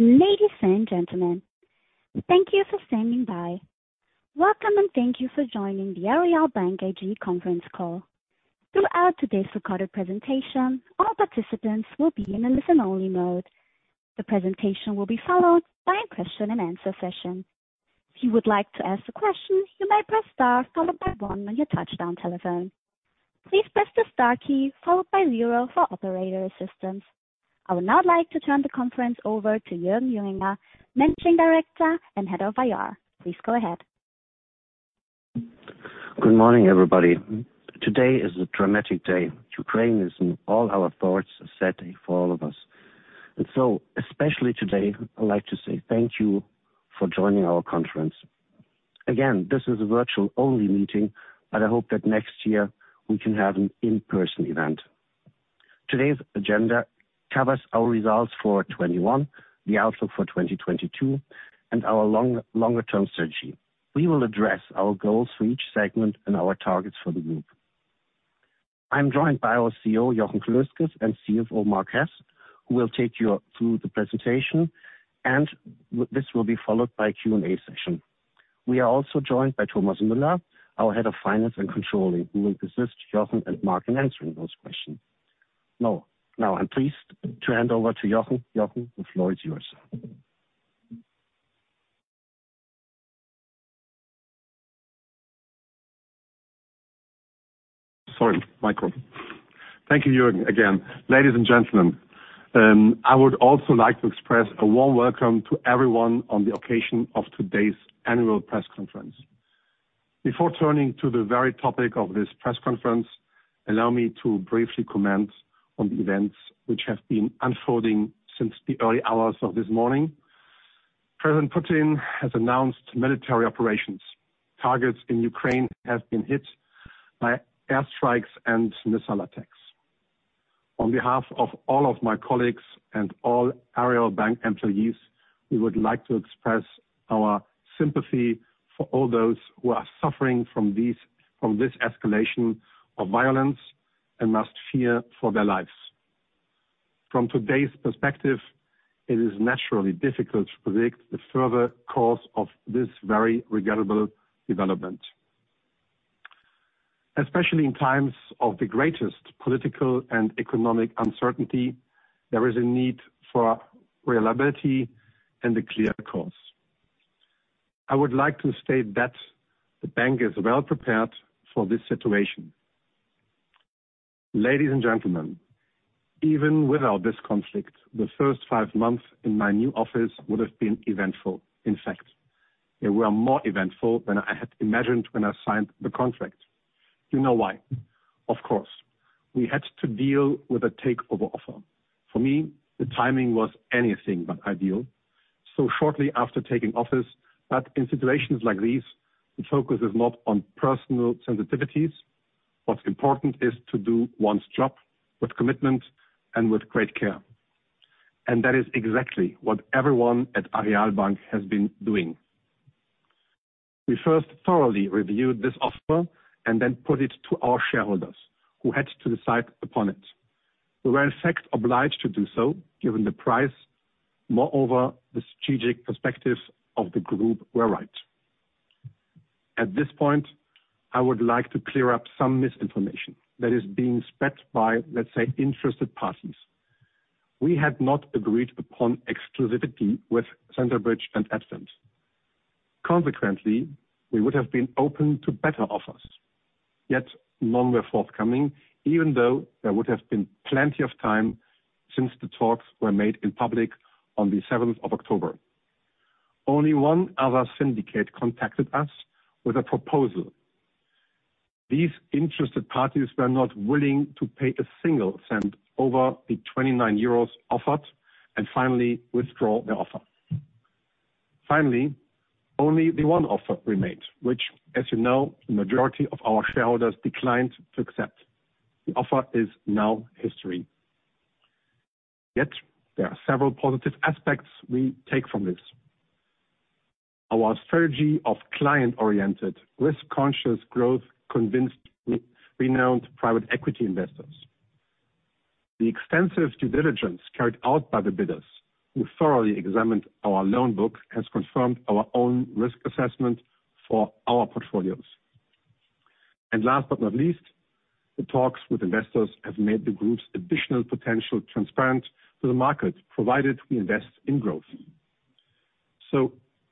Ladies and gentlemen, thank you for standing by. Welcome, and thank you for joining the Aareal Bank AG conference call. Throughout today's recorded presentation, all participants will be in a listen-only mode. The presentation will be followed by a question-and-answer session. If you would like to ask a question, you may press star followed by one on your touch-tone telephone. Please press the star key followed by zero for operator assistance. I would now like to turn the conference over to Jürgen Junginger, Managing Director and Head of IR. Please go ahead. Good morning, everybody. Today is a dramatic day. Ukraine is in all our thoughts, a sad day for all of us. Especially today, I'd like to say thank you for joining our conference. Again, this is a virtual-only meeting, but I hope that next year we can have an in-person event. Today's agenda covers our results for 2021, the outlook for 2022, and our longer-term strategy. We will address our goals for each segment and our targets for the group. I'm joined by our CEO, Jochen Klösges, and CFO Marc Hess, who will take you through the presentation, and this will be followed by a Q&A session. We are also joined by Thomas Müller, our Head of Finance and Controlling, who will assist Jochen and Marc in answering those questions. Now I'm pleased to hand over to Jochen. Jochen, the floor is yours. Thank you, Jochen, again. Ladies and gentlemen, I would also like to express a warm welcome to everyone on the occasion of today's annual press conference. Before turning to the very topic of this press conference, allow me to briefly comment on the events which have been unfolding since the early hours of this morning. President Putin has announced military operations. Targets in Ukraine have been hit by air strikes and missile attacks. On behalf of all of my colleagues and all Aareal Bank employees, we would like to express our sympathy for all those who are suffering from this escalation of violence and must fear for their lives. From today's perspective, it is naturally difficult to predict the further course of this very regrettable development. Especially in times of the greatest political and economic uncertainty, there is a need for reliability and a clear course. I would like to state that the bank is well prepared for this situation. Ladies and gentlemen, even without this conflict, the first five months in my new office would have been eventful. In fact, they were more eventful than I had imagined when I signed the contract. You know why? Of course, we had to deal with a takeover offer. For me, the timing was anything but ideal. Shortly after taking office, but in situations like these, the focus is not on personal sensitivities. What's important is to do one's job with commitment and with great care. That is exactly what everyone at Aareal Bank has been doing. We first thoroughly reviewed this offer and then put it to our shareholders, who had to decide upon it. We were, in fact, obliged to do so, given the price. Moreover, the strategic perspectives of the group were right. At this point, I would like to clear up some misinformation that is being spread by, let's say, interested parties. We had not agreed upon exclusivity with Centerbridge and Advent. Consequently, we would have been open to better offers. Yet none were forthcoming, even though there would have been plenty of time since the talks were made in public on the 7th of October. Only one other syndicate contacted us with a proposal. These interested parties were not willing to pay a single cent over the 29 euros offered and finally withdraw their offer. Finally, only the one offer remained, which, as you know, the majority of our shareholders declined to accept. The offer is now history. Yet there are several positive aspects we take from this. Our strategy of client-oriented, risk-conscious growth convinced renowned private equity investors. The extensive due diligence carried out by the bidders, who thoroughly examined our loan book, has confirmed our own risk assessment for our portfolios. Last but not least, the talks with investors have made the group's additional potential transparent to the market, provided we invest in growth.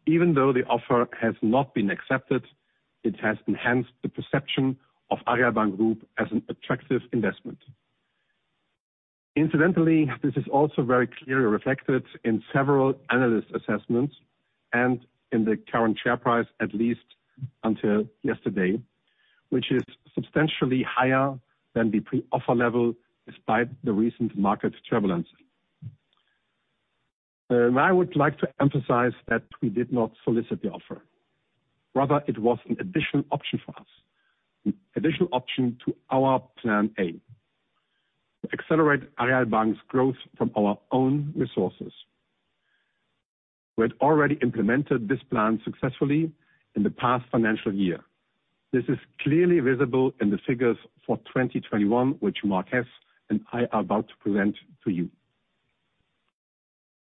Even though the offer has not been accepted, it has enhanced the perception of Aareal Bank Group as an attractive investment. Incidentally, this is also very clearly reflected in several analyst assessments and in the current share price, at least until yesterday, which is substantially higher than the pre-offer level despite the recent market turbulence. I would like to emphasize that we did not solicit the offer. Rather, it was an additional option for us, an additional option to our plan A, to accelerate Aareal Bank's growth from our own resources. We had already implemented this plan successfully in the past financial year. This is clearly visible in the figures for 2021, which Marc Hess and I are about to present to you.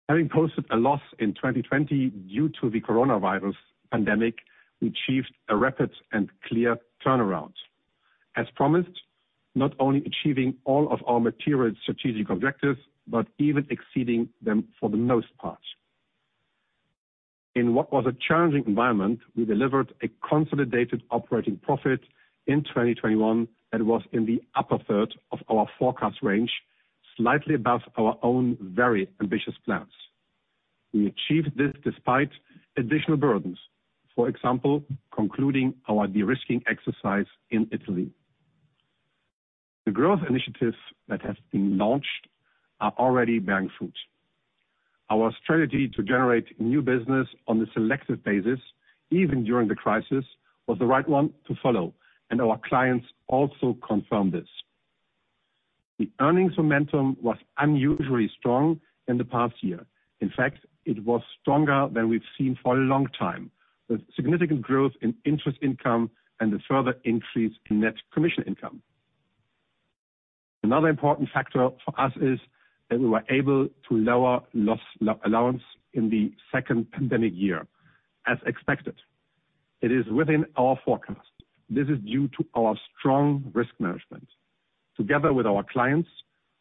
Having posted a loss in 2020 due to the coronavirus pandemic, we achieved a rapid and clear turnaround. As promised, not only achieving all of our material strategic objectives but even exceeding them for the most part. In what was a challenging environment, we delivered a consolidated operating profit in 2021 that was in the upper third of our forecast range, slightly above our own very ambitious plans. We achieved this despite additional burdens, for example, concluding our de-risking exercise in Italy. The growth initiatives that have been launched are already bearing fruit. Our strategy to generate new business on the selected basis, even during the crisis, was the right one to follow, and our clients also confirmed this. The earnings momentum was unusually strong in the past year. In fact, it was stronger than we've seen for a long time, with significant growth in interest income and a further increase in net commission income. Another important factor for us is that we were able to lower loss allowance in the second pandemic year, as expected. It is within our forecast. This is due to our strong risk management. Together with our clients,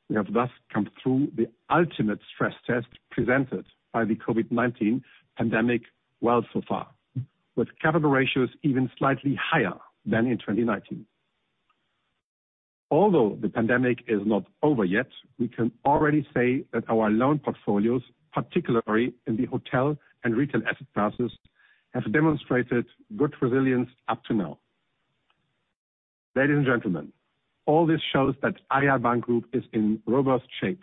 we have thus come through the ultimate stress test presented by the COVID-19 pandemic well so far, with capital ratios even slightly higher than in 2019. Although the pandemic is not over yet, we can already say that our loan portfolios, particularly in the hotel and retail asset classes, have demonstrated good resilience up to now. Ladies and gentlemen, all this shows that Aareal Bank Group is in robust shape.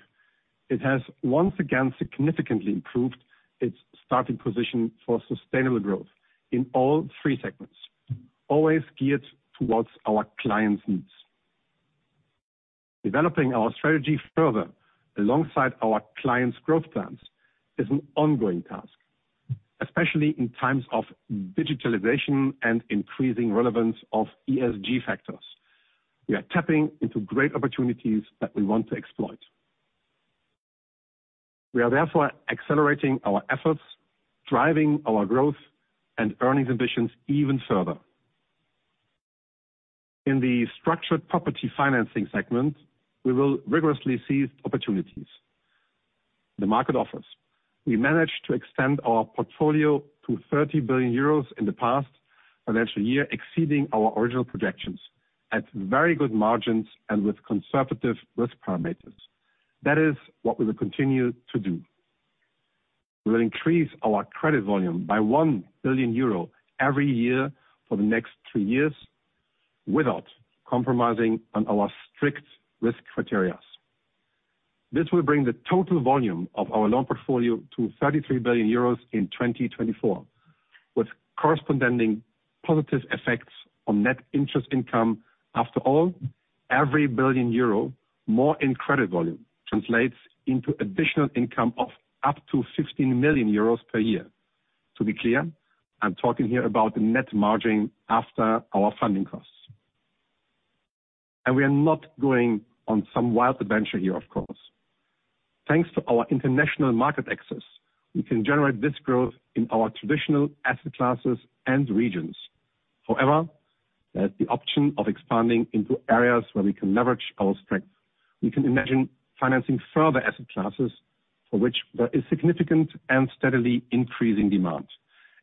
It has once again significantly improved its starting position for sustainable growth in all three segments, always geared towards our clients' needs. Developing our strategy further alongside our clients' growth plans is an ongoing task, especially in times of digitalization and increasing relevance of ESG factors. We are tapping into great opportunities that we want to exploit. We are therefore accelerating our efforts, driving our growth and earnings ambitions even further. In the structured property financing segment, we will rigorously seize opportunities the market offers. We managed to extend our portfolio to 30 billion euros in the past financial year, exceeding our original projections at very good margins and with conservative risk parameters. That is what we will continue to do. We will increase our credit volume by 1 billion euro every year for the next two years without compromising on our strict risk criteria. This will bring the total volume of our loan portfolio to 33 billion euros in 2024, with corresponding positive effects on net interest income. After all, every 1 billion euro more in credit volume translates into additional income of up to 16 million euros per year. To be clear, I'm talking here about the net margin after our funding costs. We are not going on some wild adventure here, of course. Thanks to our international market access, we can generate this growth in our traditional asset classes and regions. However, there's the option of expanding into areas where we can leverage our strength. We can imagine financing further asset classes for which there is significant and steadily increasing demand,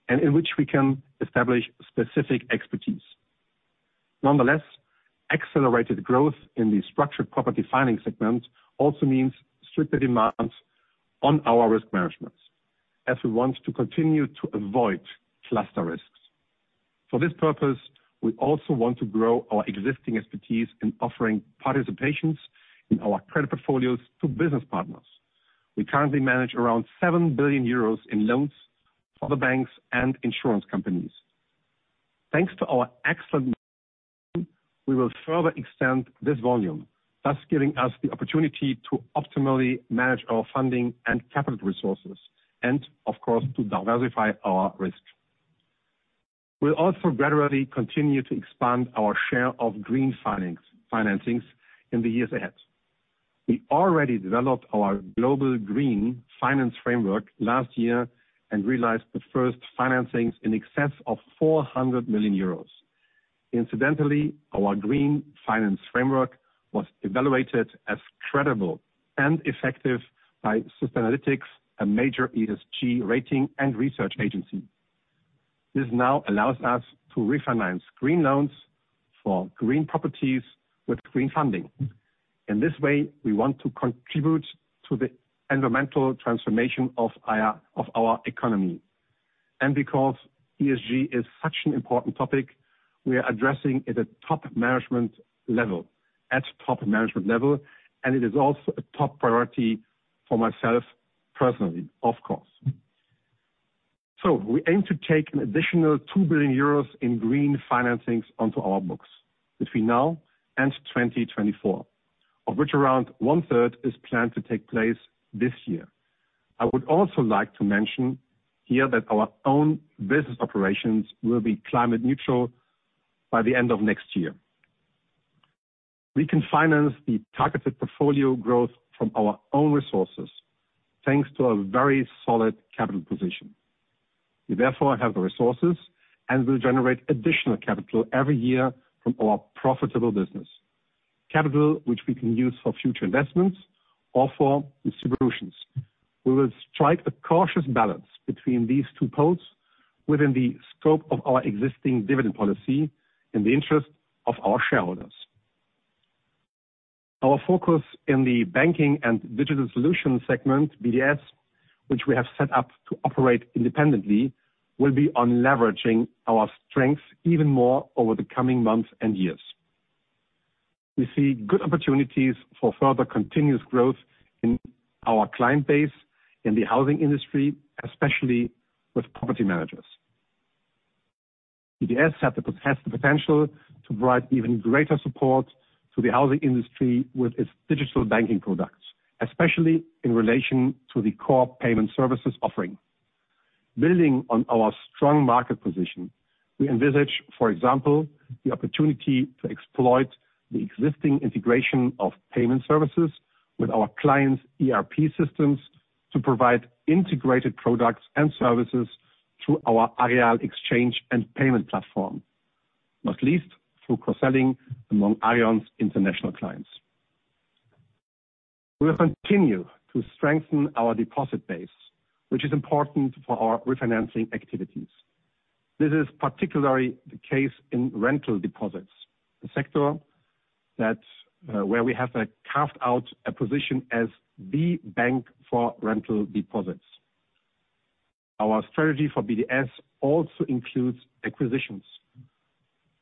and in which we can establish specific expertise. Nonetheless, accelerated growth in the structured property finance segment also means stricter demands on our risk management, as we want to continue to avoid cluster risks. For this purpose, we also want to grow our existing expertise in offering participations in our credit portfolios to business partners. We currently manage around 7 billion euros in loans for the banks and insurance companies. Thanks to our excellent, we will further extend this volume, thus giving us the opportunity to optimally manage our funding and capital resources, and of course, to diversify our risk. We'll also gradually continue to expand our share of green financings in the years ahead. We already developed our global Green Finance Framework last year and realized the first financings in excess of 400 million euros. Incidentally, our Green Finance Framework was evaluated as credible and effective by Sustainalytics, a major ESG rating and research agency. This now allows us to refinance green loans for green properties with green funding. In this way, we want to contribute to the environmental transformation of our economy. Because ESG is such an important topic, we are addressing at a top management level, and it is also a top priority for myself personally, of course. We aim to take an additional 2 billion euros in green financings onto our books between now and 2024, of which around one-third is planned to take place this year. I would also like to mention here that our own business operations will be climate neutral by the end of next year. We can finance the targeted portfolio growth from our own resources, thanks to a very solid capital position. We therefore have the resources, and we'll generate additional capital every year from our profitable business. Capital, which we can use for future investments or for distributions. We will strike a cautious balance between these two poles within the scope of our existing dividend policy in the interest of our shareholders. Our focus in the Banking & Digital Solutions segment, BDS, which we have set up to operate independently, will be on leveraging our strengths even more over the coming months and years. We see good opportunities for further continuous growth in our client base in the housing industry, especially with property managers. BDS has the potential to provide even greater support to the housing industry with its digital banking products, especially in relation to the core payment services offering. Building on our strong market position, we envisage, for example, the opportunity to exploit the existing integration of payment services with our clients' ERP systems to provide integrated products and services through our Aareal Exchange & Payment Platform, not least through cross-selling among Aareon's international clients. We will continue to strengthen our deposit base, which is important for our refinancing activities. This is particularly the case in rental deposits, a sector where we have carved out a position as the bank for rental deposits. Our strategy for BDS also includes acquisitions.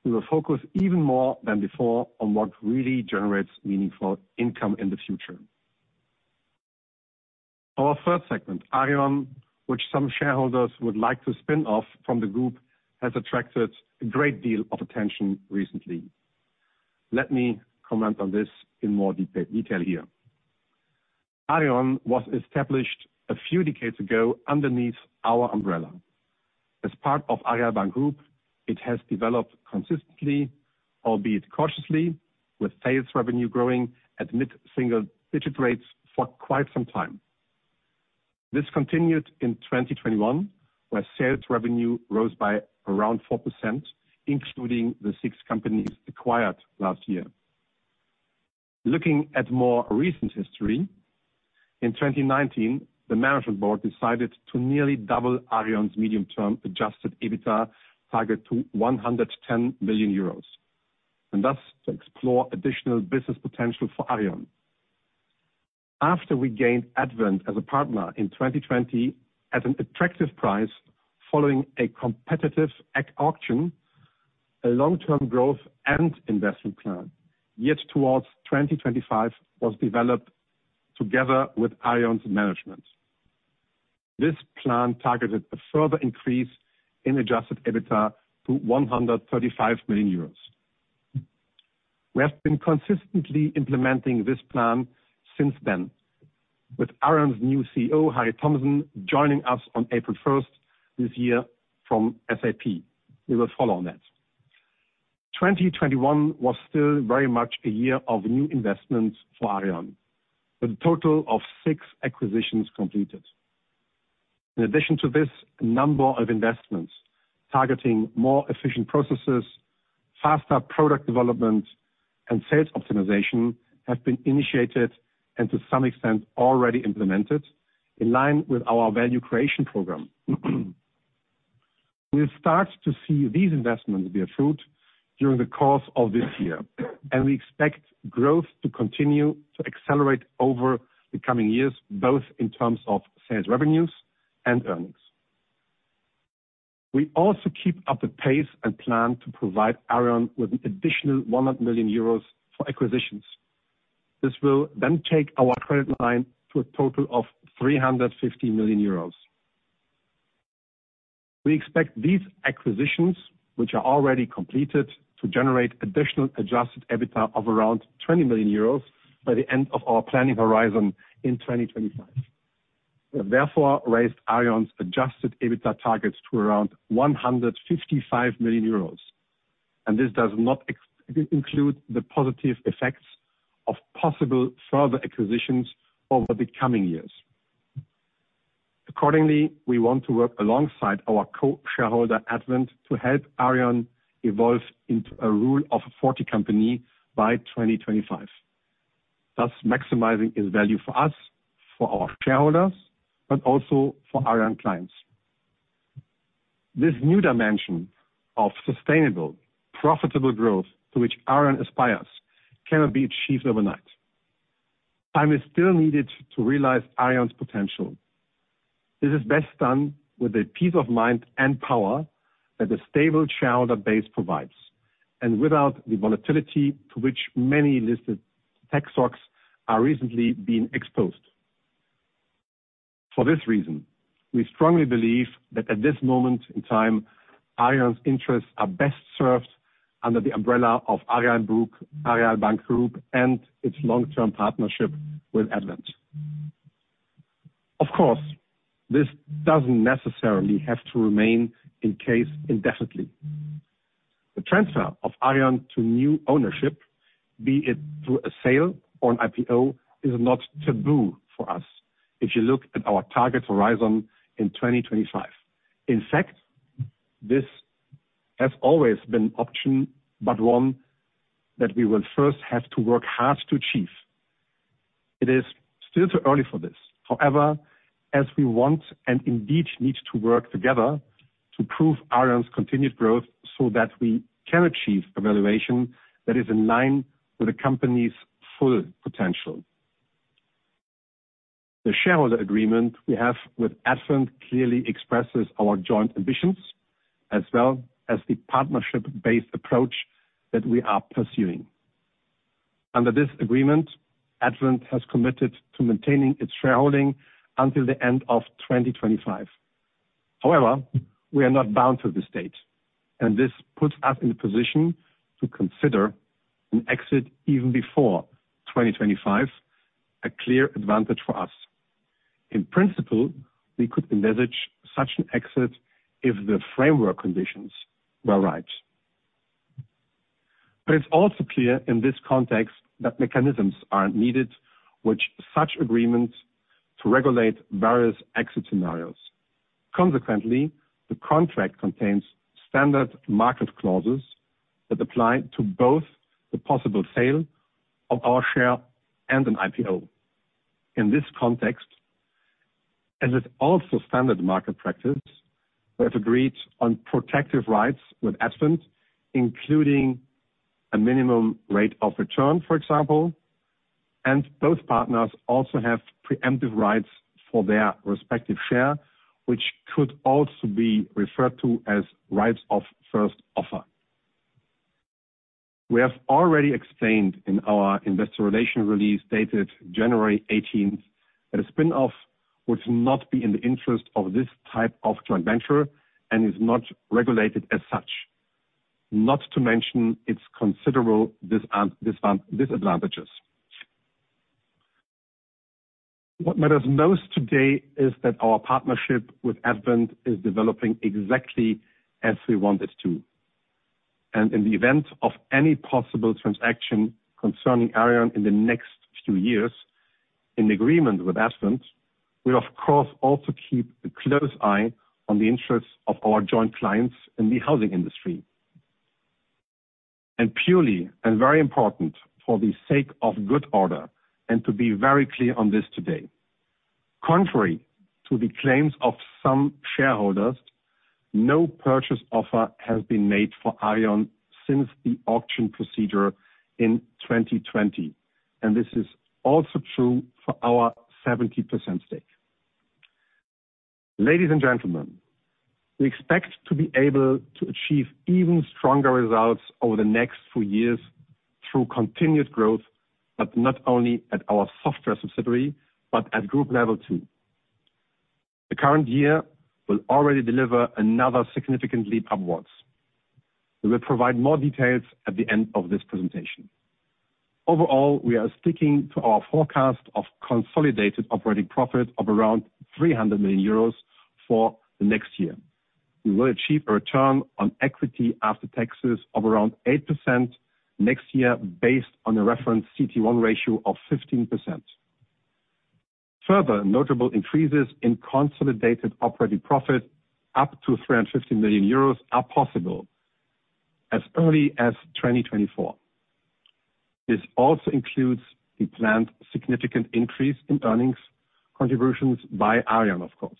We will focus even more than before on what really generates meaningful income in the future. Our first segment, Aareon, which some shareholders would like to spin off from the group, has attracted a great deal of attention recently. Let me comment on this in more detail here. Aareon was established a few decades ago underneath our umbrella. As part of Aareal Bank Group, it has developed consistently, albeit cautiously, with sales revenue growing at mid-single digit rates for quite some time. This continued in 2021, where sales revenue rose by around 4%, including the six companies acquired last year. Looking at more recent history, in 2019, the management board decided to nearly double Aareon's medium-term adjusted EBITDA target to 110 billion euros, and thus to explore additional business potential for Aareon. After we gained Advent as a partner in 2020 at an attractive price following a competitive equity auction, a long-term growth and investment plan set towards 2025 was developed together with Aareon's management. This plan targeted a further increase in adjusted EBITDA to 135 million euros. We have been consistently implementing this plan since then, with Aareon's new CEO, Harry Thomsen, joining us on April 1 this year from SAP. We will follow on that. 2021 was still very much a year of new investments for Aareon, with a total of six acquisitions completed. In addition to this, a number of investments targeting more efficient processes, faster product development, and sales optimization have been initiated and, to some extent, already implemented in line with our Value Creation Program. We'll start to see these investments bear fruit during the course of this year, and we expect growth to continue to accelerate over the coming years, both in terms of sales revenues and earnings. We also keep up the pace and plan to provide Aareon with an additional 100 million euros for acquisitions. This will then take our credit line to a total of 350 million euros. We expect these acquisitions, which are already completed, to generate additional adjusted EBITDA of around 20 million euros by the end of our planning horizon in 2025. We have therefore raised Aareon's adjusted EBITDA targets to around 155 million euros, and this does not include the positive effects of possible further acquisitions over the coming years. Accordingly, we want to work alongside our co-shareholder, Advent, to help Aareon evolve into a Rule of 40 company by 2025, thus maximizing its value for us, for our shareholders, but also for Aareon clients. This new dimension of sustainable, profitable growth to which Aareon aspires cannot be achieved overnight. Time is still needed to realize Aareon's potential. This is best done with the peace of mind and power that a stable shareholder base provides. Without the volatility to which many listed tech stocks are recently being exposed. For this reason, we strongly believe that at this moment in time, Aareon's interests are best served under the umbrella of Aareal Bank Group and its long-term partnership with Advent. Of course, this doesn't necessarily have to remain the case indefinitely. The transfer of Aareon to new ownership, be it through a sale or an IPO, is not taboo for us if you look at our target horizon in 2025. In fact, this has always been an option, but one that we will first have to work hard to achieve. It is still too early for this. However, as we want and indeed need to work together to prove Aareon's continued growth so that we can achieve a valuation that is in line with the company's full potential. The shareholder agreement we have with Advent clearly expresses our joint ambitions as well as the partnership-based approach that we are pursuing. Under this agreement, Advent has committed to maintaining its shareholding until the end of 2025. However, we are not bound to this date, and this puts us in a position to consider an exit even before 2025, a clear advantage for us. In principle, we could envisage such an exit if the framework conditions were right. It's also clear in this context that mechanisms are needed in such agreements to regulate various exit scenarios. Consequently, the contract contains standard market clauses that apply to both the possible sale of our share and an IPO. In this context, as is also standard market practice, we have agreed on protective rights with Advent, including a minimum rate of return, for example. Both partners also have preemptive rights for their respective share, which could also be referred to as rights of first offer. We have already explained in our investor relations release dated January 18th that a spin-off would not be in the interest of this type of joint venture and is not regulated as such, not to mention its considerable disadvantages. What matters most today is that our partnership with Advent is developing exactly as we want it to. In the event of any possible transaction concerning Aareon in the next few years, in agreement with Advent, we of course also keep a close eye on the interests of our joint clients in the housing industry. Purely and very important for the sake of good order and to be very clear on this today, contrary to the claims of some shareholders, no purchase offer has been made for Aareon since the auction procedure in 2020, and this is also true for our 70% stake. Ladies and gentlemen, we expect to be able to achieve even stronger results over the next few years through continued growth, but not only at our software subsidiary but at group level too. The current year will already deliver another significant leap upwards. We will provide more details at the end of this presentation. Overall, we are sticking to our forecast of consolidated operating profit of around 300 million euros for the next year. We will achieve a return on equity after taxes of around 8% next year based on a reference CET1 ratio of 15%. Further notable increases in consolidated operating profit up to 350 million euros are possible as early as 2024. This also includes the planned significant increase in earnings contributions by Aareon, of course,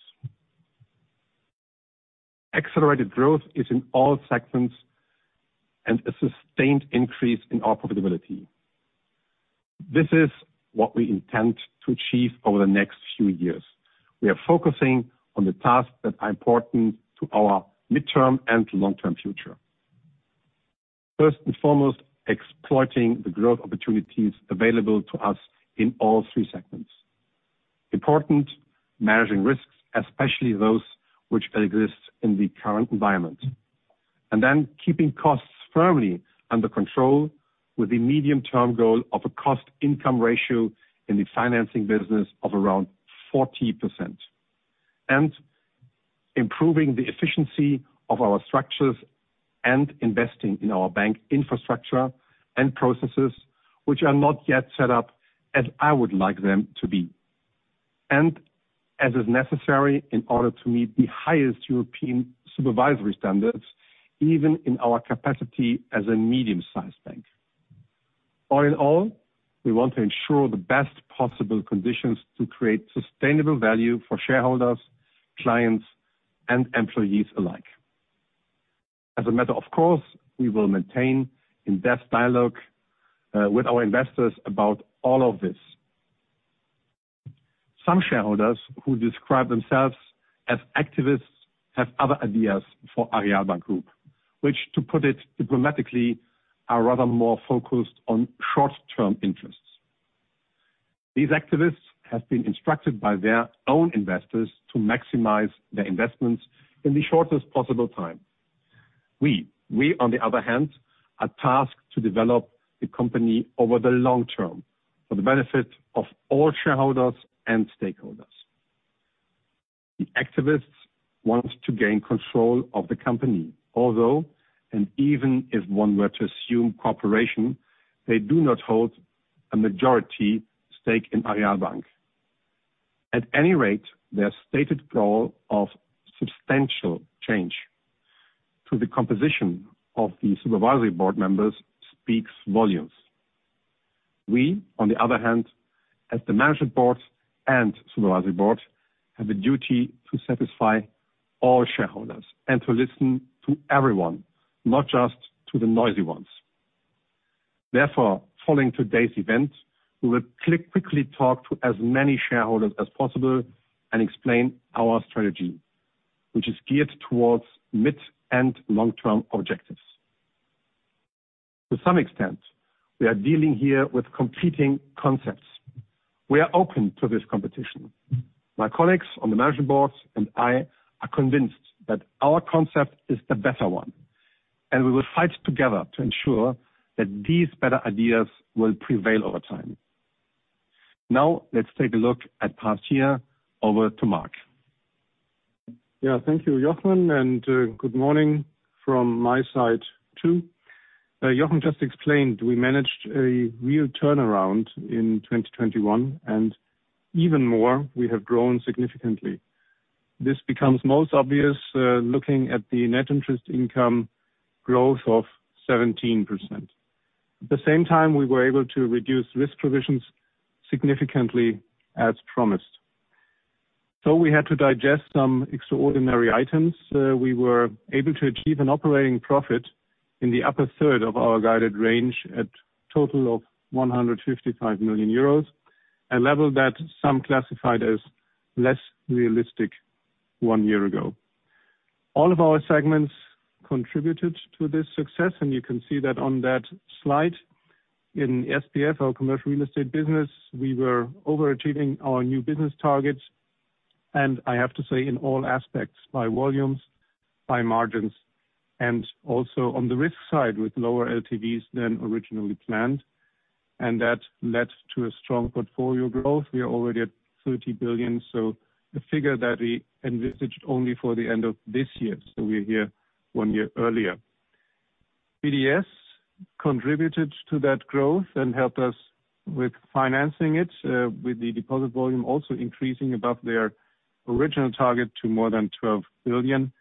accelerated growth in all segments and a sustained increase in our profitability. This is what we intend to achieve over the next few years. We are focusing on the tasks that are important to our midterm and long-term future. First and foremost, exploiting the growth opportunities available to us in all three segments. Important, managing risks, especially those which exist in the current environment. Keeping costs firmly under control with the medium-term goal of a cost/income ratio in the financing business of around 40%. Improving the efficiency of our structures and investing in our bank infrastructure and processes, which are not yet set up as I would like them to be. As is necessary in order to meet the highest European supervisory standards, even in our capacity as a medium-sized bank. All in all, we want to ensure the best possible conditions to create sustainable value for shareholders, clients, and employees alike. As a matter of course, we will maintain in-depth dialogue with our investors about all of this. Some shareholders who describe themselves as activists have other ideas for Aareal Bank Group, which, to put it diplomatically, are rather more focused on short-term interests. These activists have been instructed by their own investors to maximize their investments in the shortest possible time. We, on the other hand, are tasked to develop the company over the long term for the benefit of all shareholders and stakeholders. The activists want to gain control of the company, although, and even if one were to assume cooperation, they do not hold a majority stake in Aareal Bank. At any rate, their stated goal of substantial change to the composition of the supervisory board members speaks volumes. We, on the other hand, as the Management Board and Supervisory Board, have a duty to satisfy all shareholders and to listen to everyone, not just to the noisy ones. Therefore, following today's event, we will quickly talk to as many shareholders as possible and explain our strategy, which is geared towards mid- and long-term objectives. To some extent, we are dealing here with competing concepts. We are open to this competition. My colleagues on the Management Board and I are convinced that our concept is the better one, and we will fight together to ensure that these better ideas will prevail over time. Now let's take a look at the past year. Over to Marc. Yeah. Thank you, Jochen, and good morning from my side, too. Jochen just explained we managed a real turnaround in 2021, and even more, we have grown significantly. This becomes most obvious looking at the net interest income growth of 17%. At the same time, we were able to reduce risk provisions significantly as promised. We had to digest some extraordinary items. We were able to achieve an operating profit in the upper third of our guided range at total of 155 million euros, a level that some classified as less realistic one year ago. All of our segments contributed to this success, and you can see that on that slide. In SPF, our commercial real estate business, we were overachieving our new business targets, and I have to say, in all aspects, by volumes, by margins, and also on the risk side with lower LTVs than originally planned. That led to a strong portfolio growth. We are already at 30 billion, so the figure that we envisaged only for the end of this year, so we're here one year earlier. BDS contributed to that growth and helped us with financing it, with the deposit volume also increasing above their original target to more than 12 billion.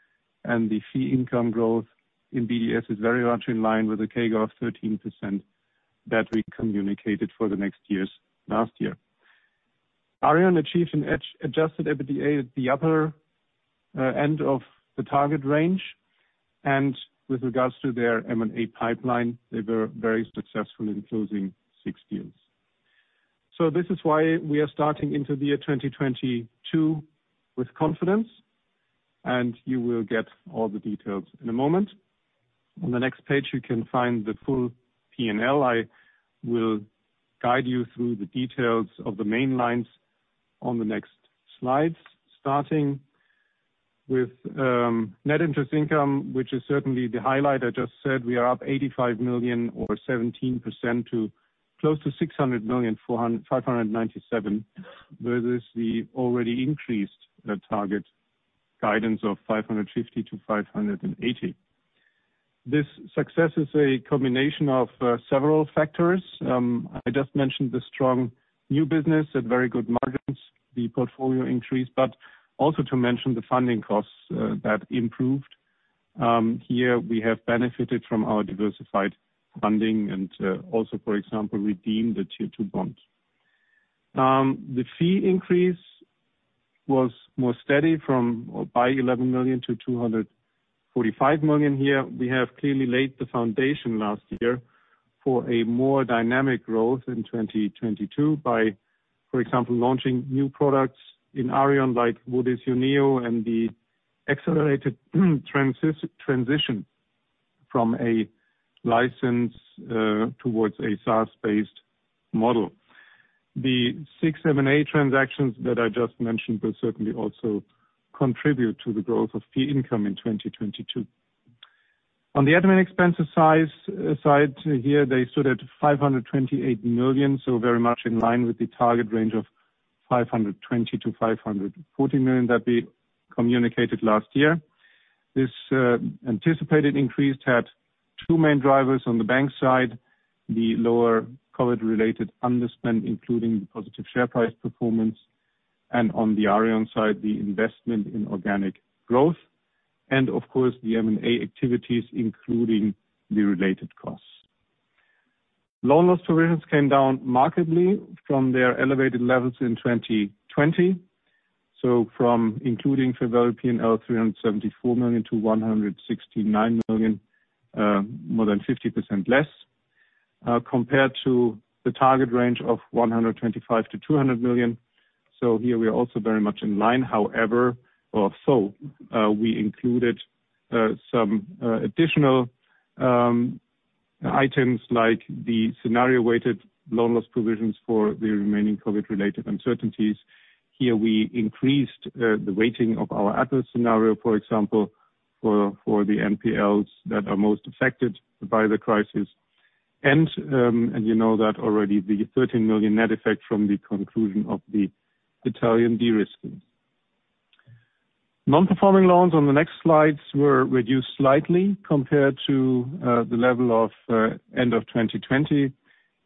The fee income growth in BDS is very much in line with a CAGR of 13% that we communicated for the next years last year. Aareon achieved an adjusted EBITDA at the upper end of the target range. With regards to their M&A pipeline, they were very successful in closing six deals. This is why we are starting into the year 2022 with confidence, and you will get all the details in a moment. On the next page, you can find the full P&L. I will guide you through the details of the main lines on the next slides, starting with net interest income, which is certainly the highlight. I just said we are up 85 million or 17% to close to 597 million. Whereas we already increased the target guidance of 550 million-580 million. This success is a combination of several factors. I just mentioned the strong new business at very good margins, the portfolio increase. Also, to mention the funding costs that improved. Here we have benefited from our diversified funding and also, for example, redeemed the tier two bonds. The fee increase was more steady from or by 11 million to 245 million here. We have clearly laid the foundation last year for a more dynamic growth in 2022 by, for example, launching new products in Aareon like and the accelerated transition from a license towards a SaaS-based model. The six M&A transactions that I just mentioned will certainly also contribute to the growth of fee income in 2022. On the admin expenses side, here they stood at 528 million, so very much in line with the target range of 520 million-540 million that we communicated last year. This anticipated increase had two main drivers on the bank side, the lower COVID-related underspend, including the positive share price performance. On the Aareon side, the investment in organic growth. Of course, the M&A activities including the related costs. Loan loss provisions came down markedly from their elevated levels in 2020. From including NPL, 374 million to 169 million, more than 50% less. Compared to the target range of 125 million-200 million. Here we are also very much in line, however, or so. We included some additional items, like the scenario-weighted loan loss provisions for the remaining COVID-related uncertainties. Here, we increased the weighting of our adverse scenario, for example, for the NPLs that are most affected by the crisis. You know that already the 13 million net effect from the conclusion of the Italian de-risking. Non-performing loans on the next slides were reduced slightly compared to the level of end of 2020,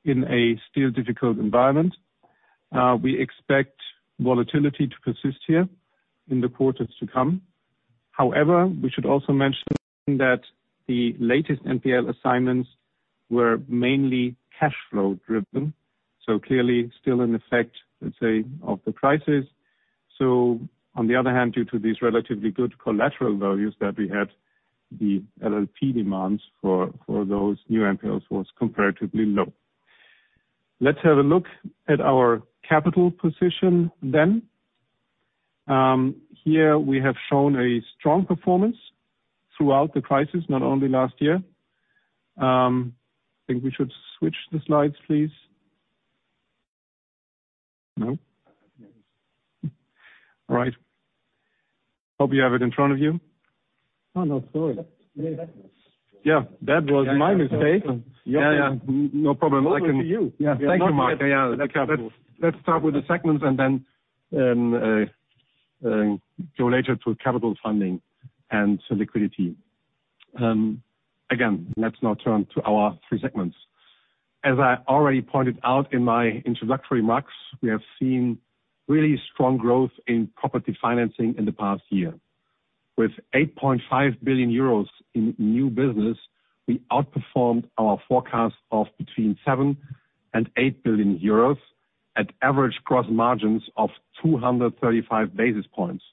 in a still difficult environment. We expect volatility to persist here in the quarters to come. However, we should also mention that the latest NPL assignments were mainly cash flow driven, so clearly still in effect, let's say, of the crisis. On the other hand, due to these relatively good collateral values that we had, the LLP demands for those new NPLs was comparatively low. Let's have a look at our capital position then. Here we have shown a strong performance throughout the crisis, not only last year. I think we should switch the slides, please. No? All right. Hope you have it in front of you. Oh, no. Sorry. Yeah, that was my mistake. Yeah, no problem. I can- Over to you. Yeah. Thank you, Marc. Yeah. Let's start with the segments and then go later to capital funding and to liquidity. Again, let's now turn to our three segments. As I already pointed out in my introductory remarks, we have seen really strong growth in property financing in the past year. With 8.5 billion euros in new business, we outperformed our forecast of between 7 billion and 8 billion euros at average gross margins of 235 basis points,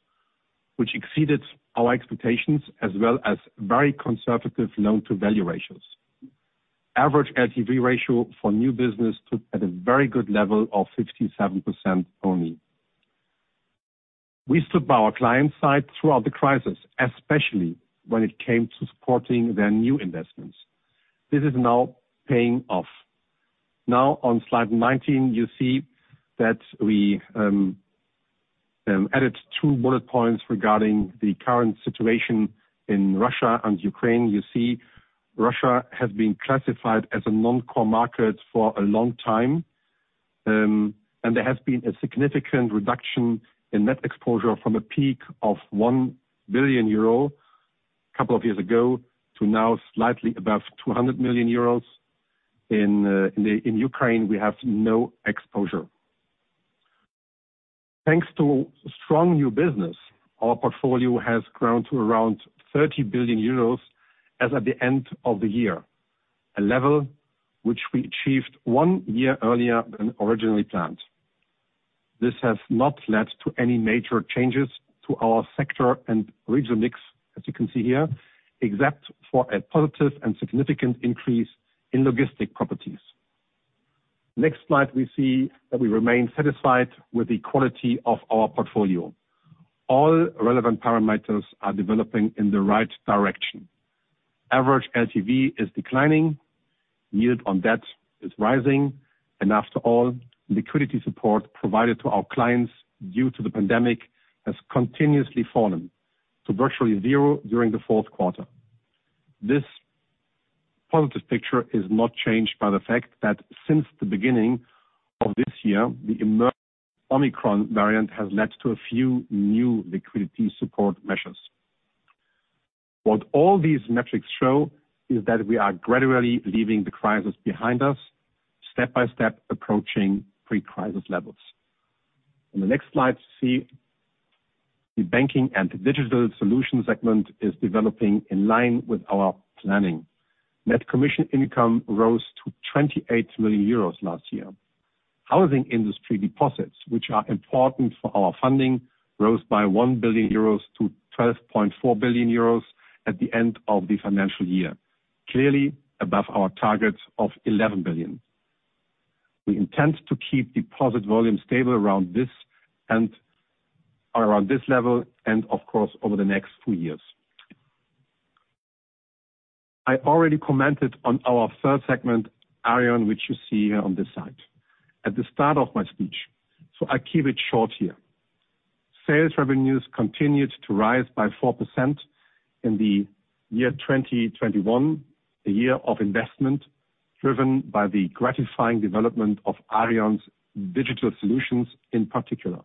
which exceeded our expectations as well as very conservative loan-to-value ratios. Average LTV ratio for new business stood at a very good level of 57% only. We stood by our client side throughout the crisis, especially when it came to supporting their new investments. This is now paying off. Now on slide 19, you see that we added two bullet points regarding the current situation in Russia and Ukraine. You see Russia has been classified as a non-core market for a long time. And there has been a significant reduction in net exposure from a peak of 1 billion euro a couple of years ago to now slightly above 200 million euros. In Ukraine, we have no exposure. Thanks to strong new business, our portfolio has grown to around 30 billion euros as at the end of the year. A level which we achieved one year earlier than originally planned. This has not led to any major changes to our sector and regional mix, as you can see here, except for a positive and significant increase in logistic properties. Next slide, we see that we remain satisfied with the quality of our portfolio. All relevant parameters are developing in the right direction. Average LTV is declining, yield on debt is rising, and after all, liquidity support provided to our clients due to the pandemic has continuously fallen to virtually zero during the fourth quarter. This positive picture is not changed by the fact that, since the beginning of this year, the emerged Omicron variant has led to a few new liquidity support measures. What all these metrics show is that we are gradually leaving the crisis behind us, step by step, approaching pre-crisis levels. On the next slide, we see the Banking & Digital Solutions segment is developing in line with our planning. Net commission income rose to 28 million euros last year. Housing industry deposits, which are important for our funding, rose by 1 billion euros to 12.4 billion euros at the end of the financial year, clearly above our target of 11 billion. We intend to keep deposit volume stable around this, and around this level and of course, over the next few years. I already commented on our third segment, Aareon, which you see here on this slide, at the start of my speech, so I keep it short here. Sales revenues continued to rise by 4% in the year 2021, a year of investment driven by the gratifying development of Aareon's digital solutions in particular.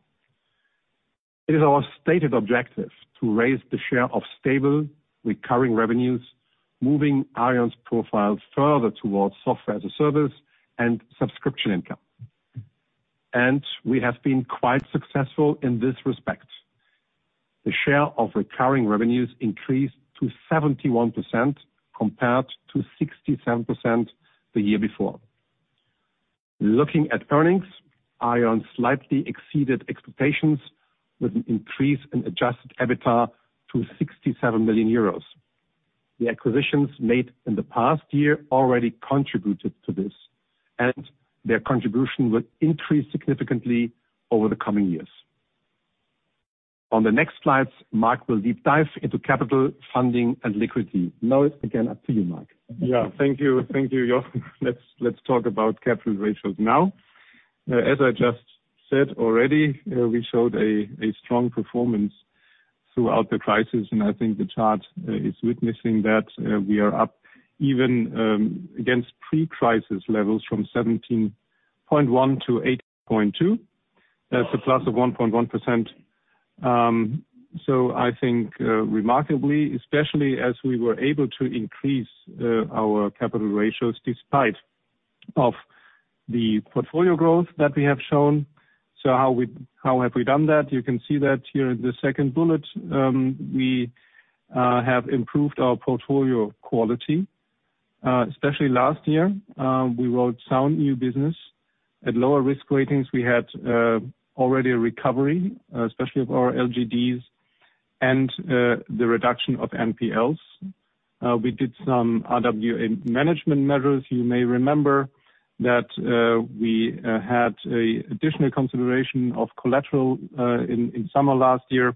It is our stated objective to raise the share of stable recurring revenues, moving Aareon's profile further towards software as a service and subscription income. We have been quite successful in this respect. The share of recurring revenues increased to 71% compared to 67% the year before. Looking at earnings, Aareon slightly exceeded expectations with an increase in adjusted EBITDA to 67 million euros. The acquisitions made in the past year already contributed to this, and their contribution will increase significantly over the coming years. On the next slides, Marc will deep dive into capital funding and liquidity. Now it's again up to you, Marc. Thank you. Thank you, Jochen. Let's talk about capital ratios now. As I just said already, we showed a strong performance throughout the crisis, and I think the chart is witnessing that. We are up even against pre-crisis levels from 17.1% to 18.2%. That's a plus of 1.1%. So I think, remarkably, especially as we were able to increase our capital ratios despite of the portfolio growth that we have shown. How have we done that? You can see that here in the second bullet. We have improved our portfolio quality, especially last year. We wrote sound new business at lower risk ratings. We had already a recovery, especially of our LGDs and the reduction of NPLs. We did some RWA management measures. You may remember that we had an additional consideration of collateral in summer last year,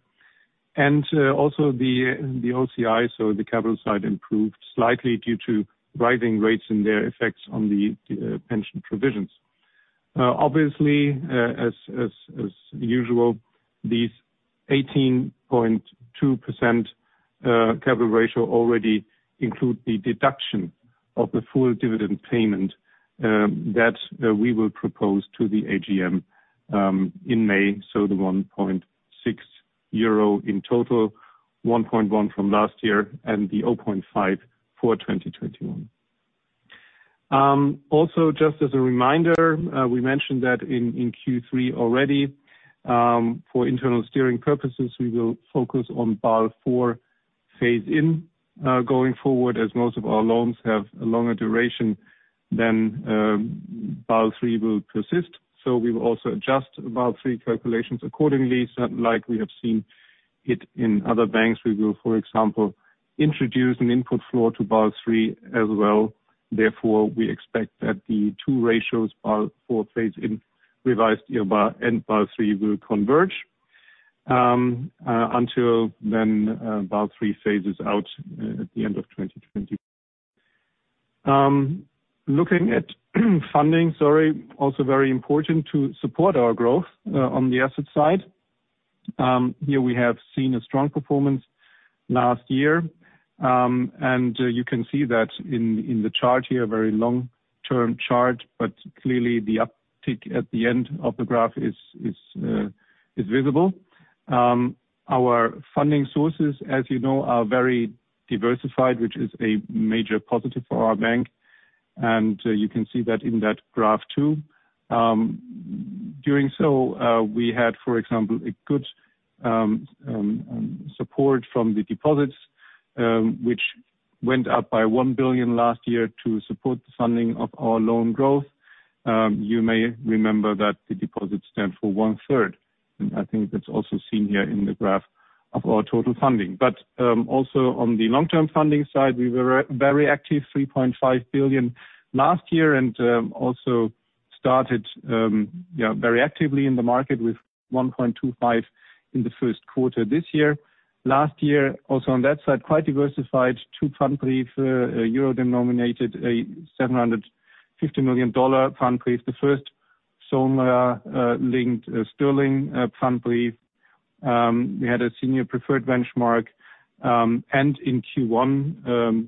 and also the OCI, so the capital side improved slightly due to rising rates and their effects on the pension provisions. Obviously, as usual, these 18.2% capital ratio already includes the deduction of the full dividend payment that we will propose to the AGM in May, so the 1.6 euro in total, 1.1 from last year, and the 0.5 for 2021. Also, just as a reminder, we mentioned that in Q3 already, for internal steering purposes, we will focus on Basel IV phase-in going forward, as most of our loans have a longer duration than Basel III will persist. We will also adjust Basel III calculations accordingly, like we have seen it in other banks. We will, for example, introduce an input floor to Basel III as well. Therefore, we expect that the two ratios, Basel IV phase-in revised RWA and Basel III, will converge until then, Basel III phases out at the end of 2020. Looking at funding, sorry, also very important to support our growth on the asset side. Here we have seen a strong performance last year, and you can see that in the chart here, very long-term chart, but clearly the uptick at the end of the graph is visible. Our funding sources, as you know, are very diversified, which is a major positive for our bank, and you can see that in that graph too. We had, for example, a good support from the deposits, which went up by 1 billion last year to support the funding of our loan growth. You may remember that the deposits stand for one-third. I think that's also seen here in the graph of our total funding. Also on the long-term funding side, we were very active, 3.5 billion last year and also started very actively in the market with 1.25 billion in the first quarter this year. Last year, also on that side, quite diversified, two Pfandbrief, euro-denominated, a $750 million Pfandbrief. The first SONIA-linked sterling Pfandbrief. We had a senior preferred benchmark, and in Q1,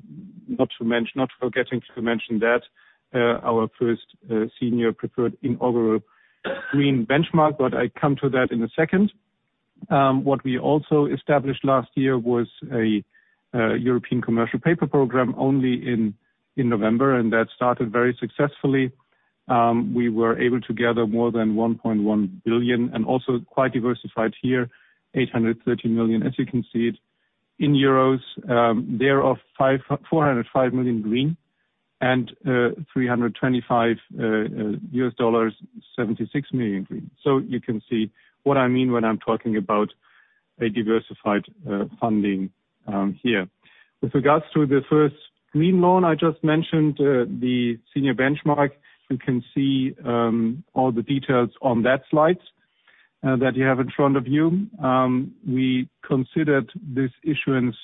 not forgetting to mention that, our first senior preferred inaugural green benchmark, but I come to that in a second. What we also established last year was a European Commercial Paper Programme only in November, and that started very successfully. We were able to gather more than 1.1 billion, and also quite diversified here, 830 million. As you can see, in euros, there are 405 million green and $325 million, 76 million green. So you can see what I mean when I'm talking about a diversified funding here. With regards to the first green loan I just mentioned, the senior benchmark, you can see all the details on that slide that you have in front of you. We considered this issuance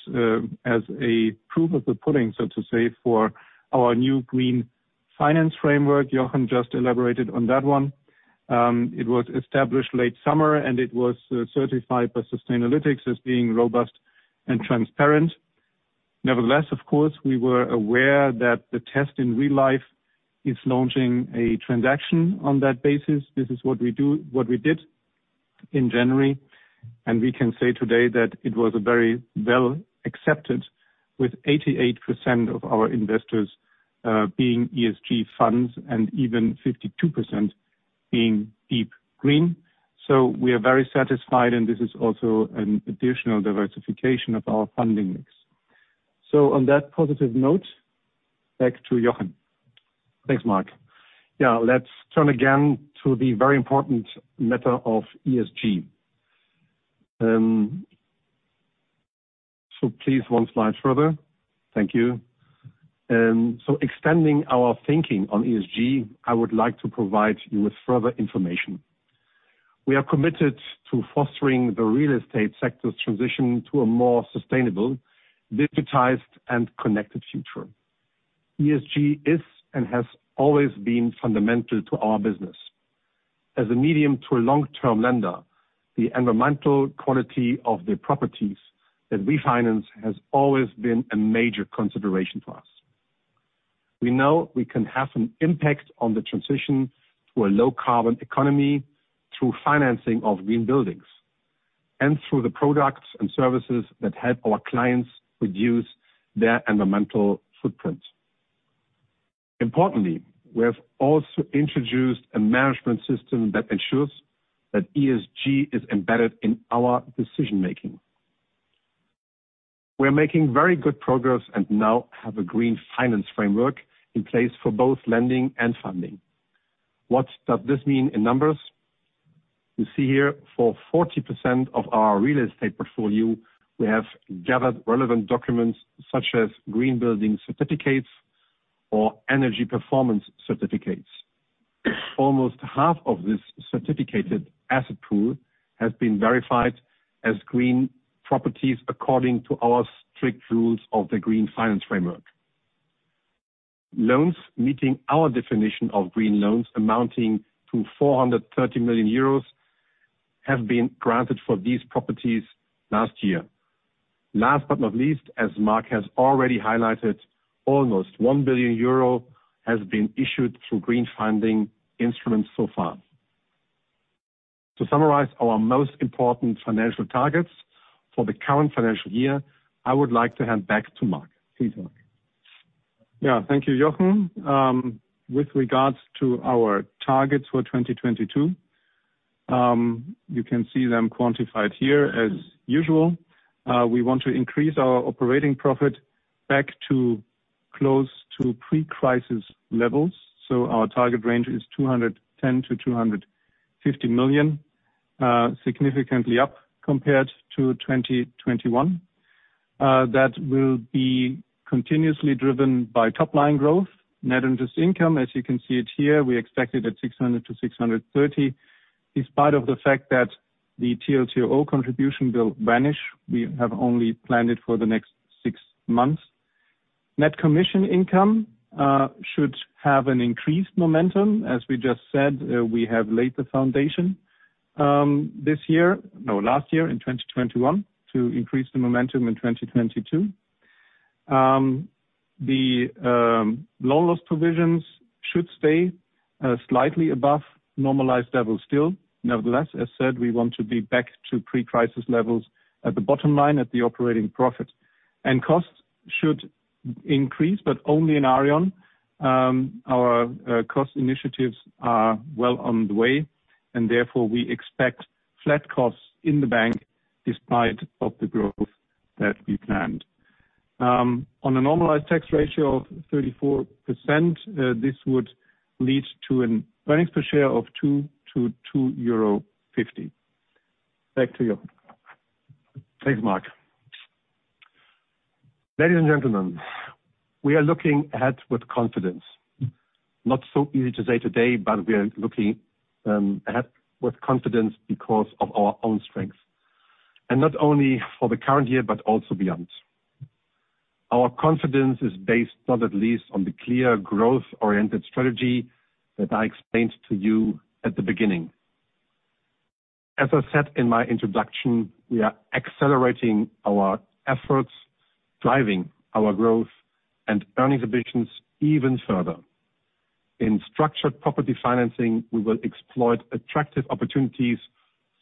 as a proof of the pudding, so to say, for our new Green Finance Framework. Jochen just elaborated on that one. It was established late summer, and it was certified by Sustainalytics as being robust and transparent. Nevertheless, of course, we were aware that the test in real life is launching a transaction on that basis. This is what we did in January. We can say today that it was a very well accepted, with 88% of our investors being ESG funds and even 52% being deep green. We are very satisfied, and this is also an additional diversification of our funding mix. On that positive note, back to Jochen. Thanks, Marc. Yeah, let's turn again to the very important matter of ESG. So please one slide further. Thank you. So, extending our thinking on ESG, I would like to provide you with further information. We are committed to fostering the real estate sector's transition to a more sustainable, digitized, and connected future. ESG is and has always been fundamental to our business. As a medium to a long-term lender, the environmental quality of the properties that we finance has always been a major consideration to us. We know we can have an impact on the transition to a low-carbon economy through financing of green buildings. Through the products and services that help our clients reduce their environmental footprint. Importantly, we have also introduced a management system that ensures that ESG is embedded in our decision-making. We are making very good progress and now have a Green Finance Framework in place for both lending and funding. What does this mean in numbers? You see here, for 40% of our real estate portfolio, we have gathered relevant documents such as green building certificates or energy performance certificates. Almost half of this certificated asset pool has been verified as green properties according to our strict rules of the Green Finance Framework. Loans meeting our definition of green loans amounting to 430 million euros, have been granted for these properties last year. Last but not least, as Marc has already highlighted, almost 1 billion euro has been issued through green funding instruments so far. To summarize our most important financial targets for the current financial year, I would like to hand back to Marc. Please, Marc. Yeah. Thank you, Jochen. With regards to our targets for 2022, you can see them quantified here as usual. We want to increase our operating profit back to close to pre-crisis levels. Our target range is 210 million-250 million, significantly up compared to 2021. That will be continuously driven by top-line growth. Net interest income, as you can see it here, we expect it at 600 million-630 million. In spite of the fact that the TLTRO contribution will vanish, we have only planned it for the next six months. Net commission income should have an increased momentum. As we just said, we have laid the foundation this year. No, last year in 2021, to increase the momentum in 2022. The loan loss provisions should stay slightly above normalized levels still. Nevertheless, as said, we want to be back to pre-crisis levels at the bottom line, at the operating profit. Costs should increase, but only in Aareon. Our cost initiatives are well on the way, and therefore we expect flat costs in the bank despite of the growth that we planned. On a normalized tax ratio of 34%, this would lead to an earnings per share of 2-2.50 euro. Back to you. Thanks, Marc. Ladies and gentlemen, we are looking ahead with confidence. Not so easy to say today, but we are looking ahead with confidence because of our own strengths. Not only for the current year, but also beyond. Our confidence is based not at least, on the clear growth-oriented strategy that I explained to you at the beginning. As I said in my introduction, we are accelerating our efforts, driving our growth and earnings ambitions even further. In structured property financing, we will exploit attractive opportunities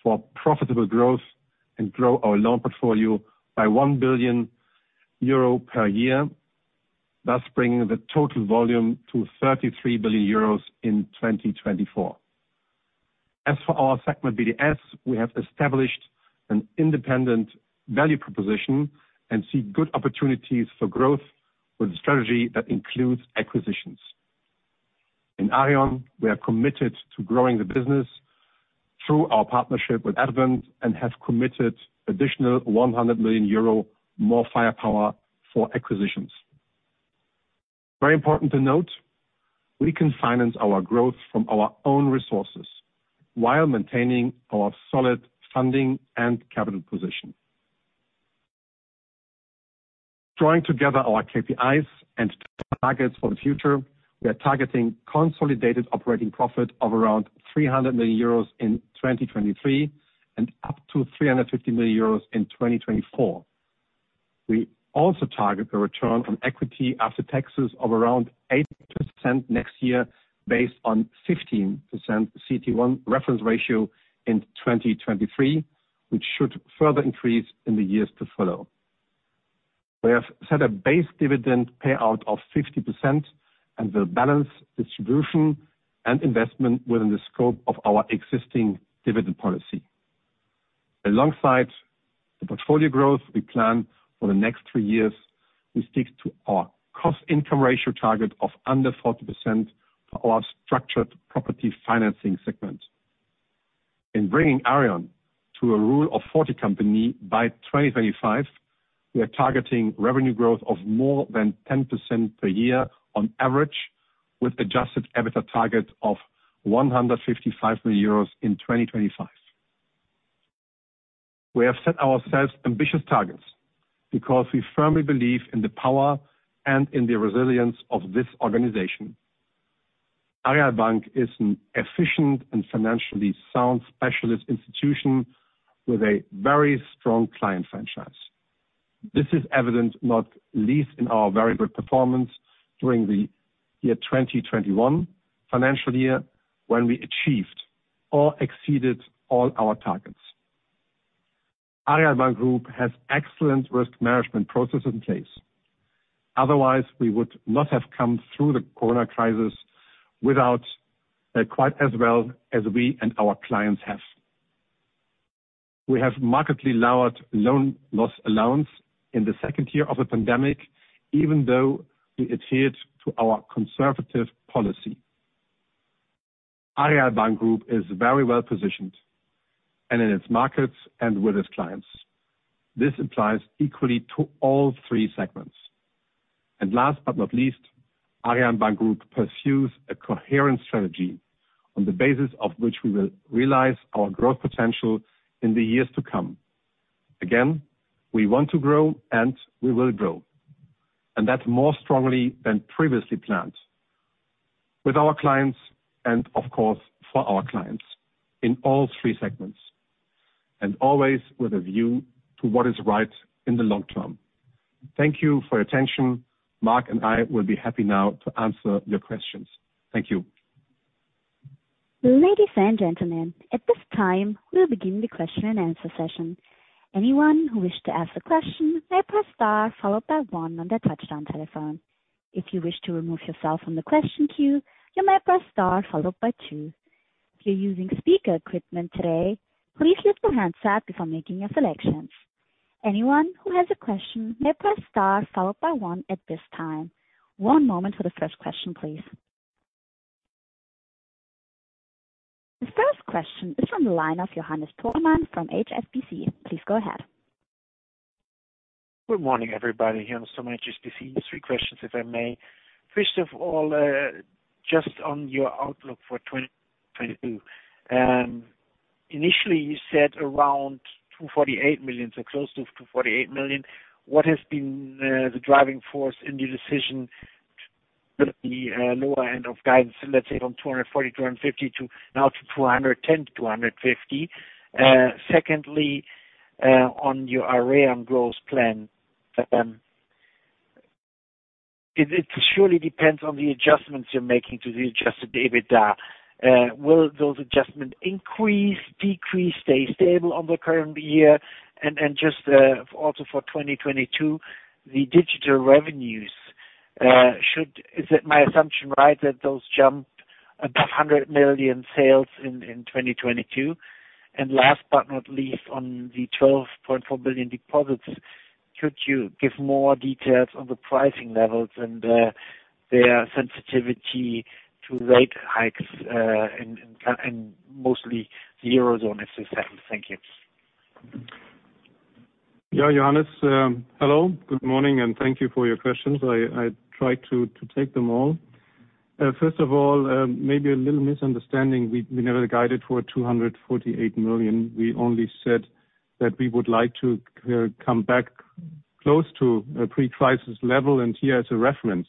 for profitable growth and grow our loan portfolio by 1 billion euro per year, thus bringing the total volume to 33 billion euros in 2024. As for our segment BDS, we have established an independent value proposition and see good opportunities for growth with a strategy that includes acquisitions. In Aareon, we are committed to growing the business through our partnership with Advent and have committed additional 100 million euro more firepower for acquisitions. Very important to note, we can finance our growth from our own resources while maintaining our solid funding and capital position. Drawing together our KPIs and targets for the future, we are targeting consolidated operating profit of around 300 million euros in 2023 and up to 350 million euros in 2024. We also target the return on equity after taxes of around 8% next year based on 15% CET1 ratio in 2023, which should further increase in the years to follow. We have set a base dividend payout of 50% and will balance distribution and investment within the scope of our existing dividend policy. Alongside the portfolio growth we plan for the next three years, we stick to our cost/income ratio target of under 40% for our structured property financing segment. In bringing Aareon to a Rule of 40 company by 2025, we are targeting revenue growth of more than 10% per year on average, with adjusted EBITDA target of 155 million euros in 2025. We have set ourselves ambitious targets because we firmly believe in the power and in the resilience of this organization. Aareal Bank is an efficient and financially sound specialist institution with a very strong client franchise. This is evident, not least in our very good performance during the 2021 financial year, when we achieved or exceeded all our targets. Aareal Bank Group has excellent risk management processes in place. Otherwise, we would not have come through the COVID crisis without quite as well as we and our clients have. We have markedly lowered loan loss allowance in the second year of the pandemic, even though we adhered to our conservative policy. Aareal Bank Group is very well positioned in its markets and with its clients. This applies equally to all three segments. Last but not least, Aareal Bank Group pursues a coherent strategy on the basis of which we will realize our growth potential in the years to come. Again, we want to grow, and we will grow, and that more strongly than previously planned. With our clients and, of course, for our clients in all three segments, and always with a view to what is right in the long term. Thank you for your attention. Marc and I will be happy now to answer your questions. Thank you. Ladies and gentlemen, at this time, we'll begin the question and answer session. Anyone who wishes to ask a question may press star followed by one on their touch-tone telephone. If you wish to remove yourself from the question queue, you may press star followed by two. If you're using speaker equipment today, please lift the handset before making your selections. Anyone who has a question may press star followed by one at this time. One moment for the first question, please. The first question is from the line of Johannes Thormann from HSBC. Please go ahead. Good morning, everybody. Johannes Thormann from HSBC. Three questions, if I may. First of all, just on your outlook for 2022. Initially, you said around 248 million, so close to 248 million. What has been the driving force in your decision with the lower end of guidance, let's say from 240 million-250 million, to now to 210 million-250 million? Secondly, on your Aareon growth plan, it surely depends on the adjustments you are making to the adjusted EBITDA. Will those adjustments increase, decrease, stay stable on the current year? Just also for 2022, the digital revenues should. Is it my assumption right that those jump above 100 million sales in 2022? Last but not least, on the 12.4 billion deposits, could you give more details on the pricing levels and their sensitivity to rate hikes and mostly eurozone SSF? Thank you. Yeah, Johannes. Hello, good morning, and thank you for your questions. I try to take them all. First of all, maybe a little misunderstanding. We never guided for 248 million. We only said that we would like to come back close to a pre-crisis level. Here as a reference,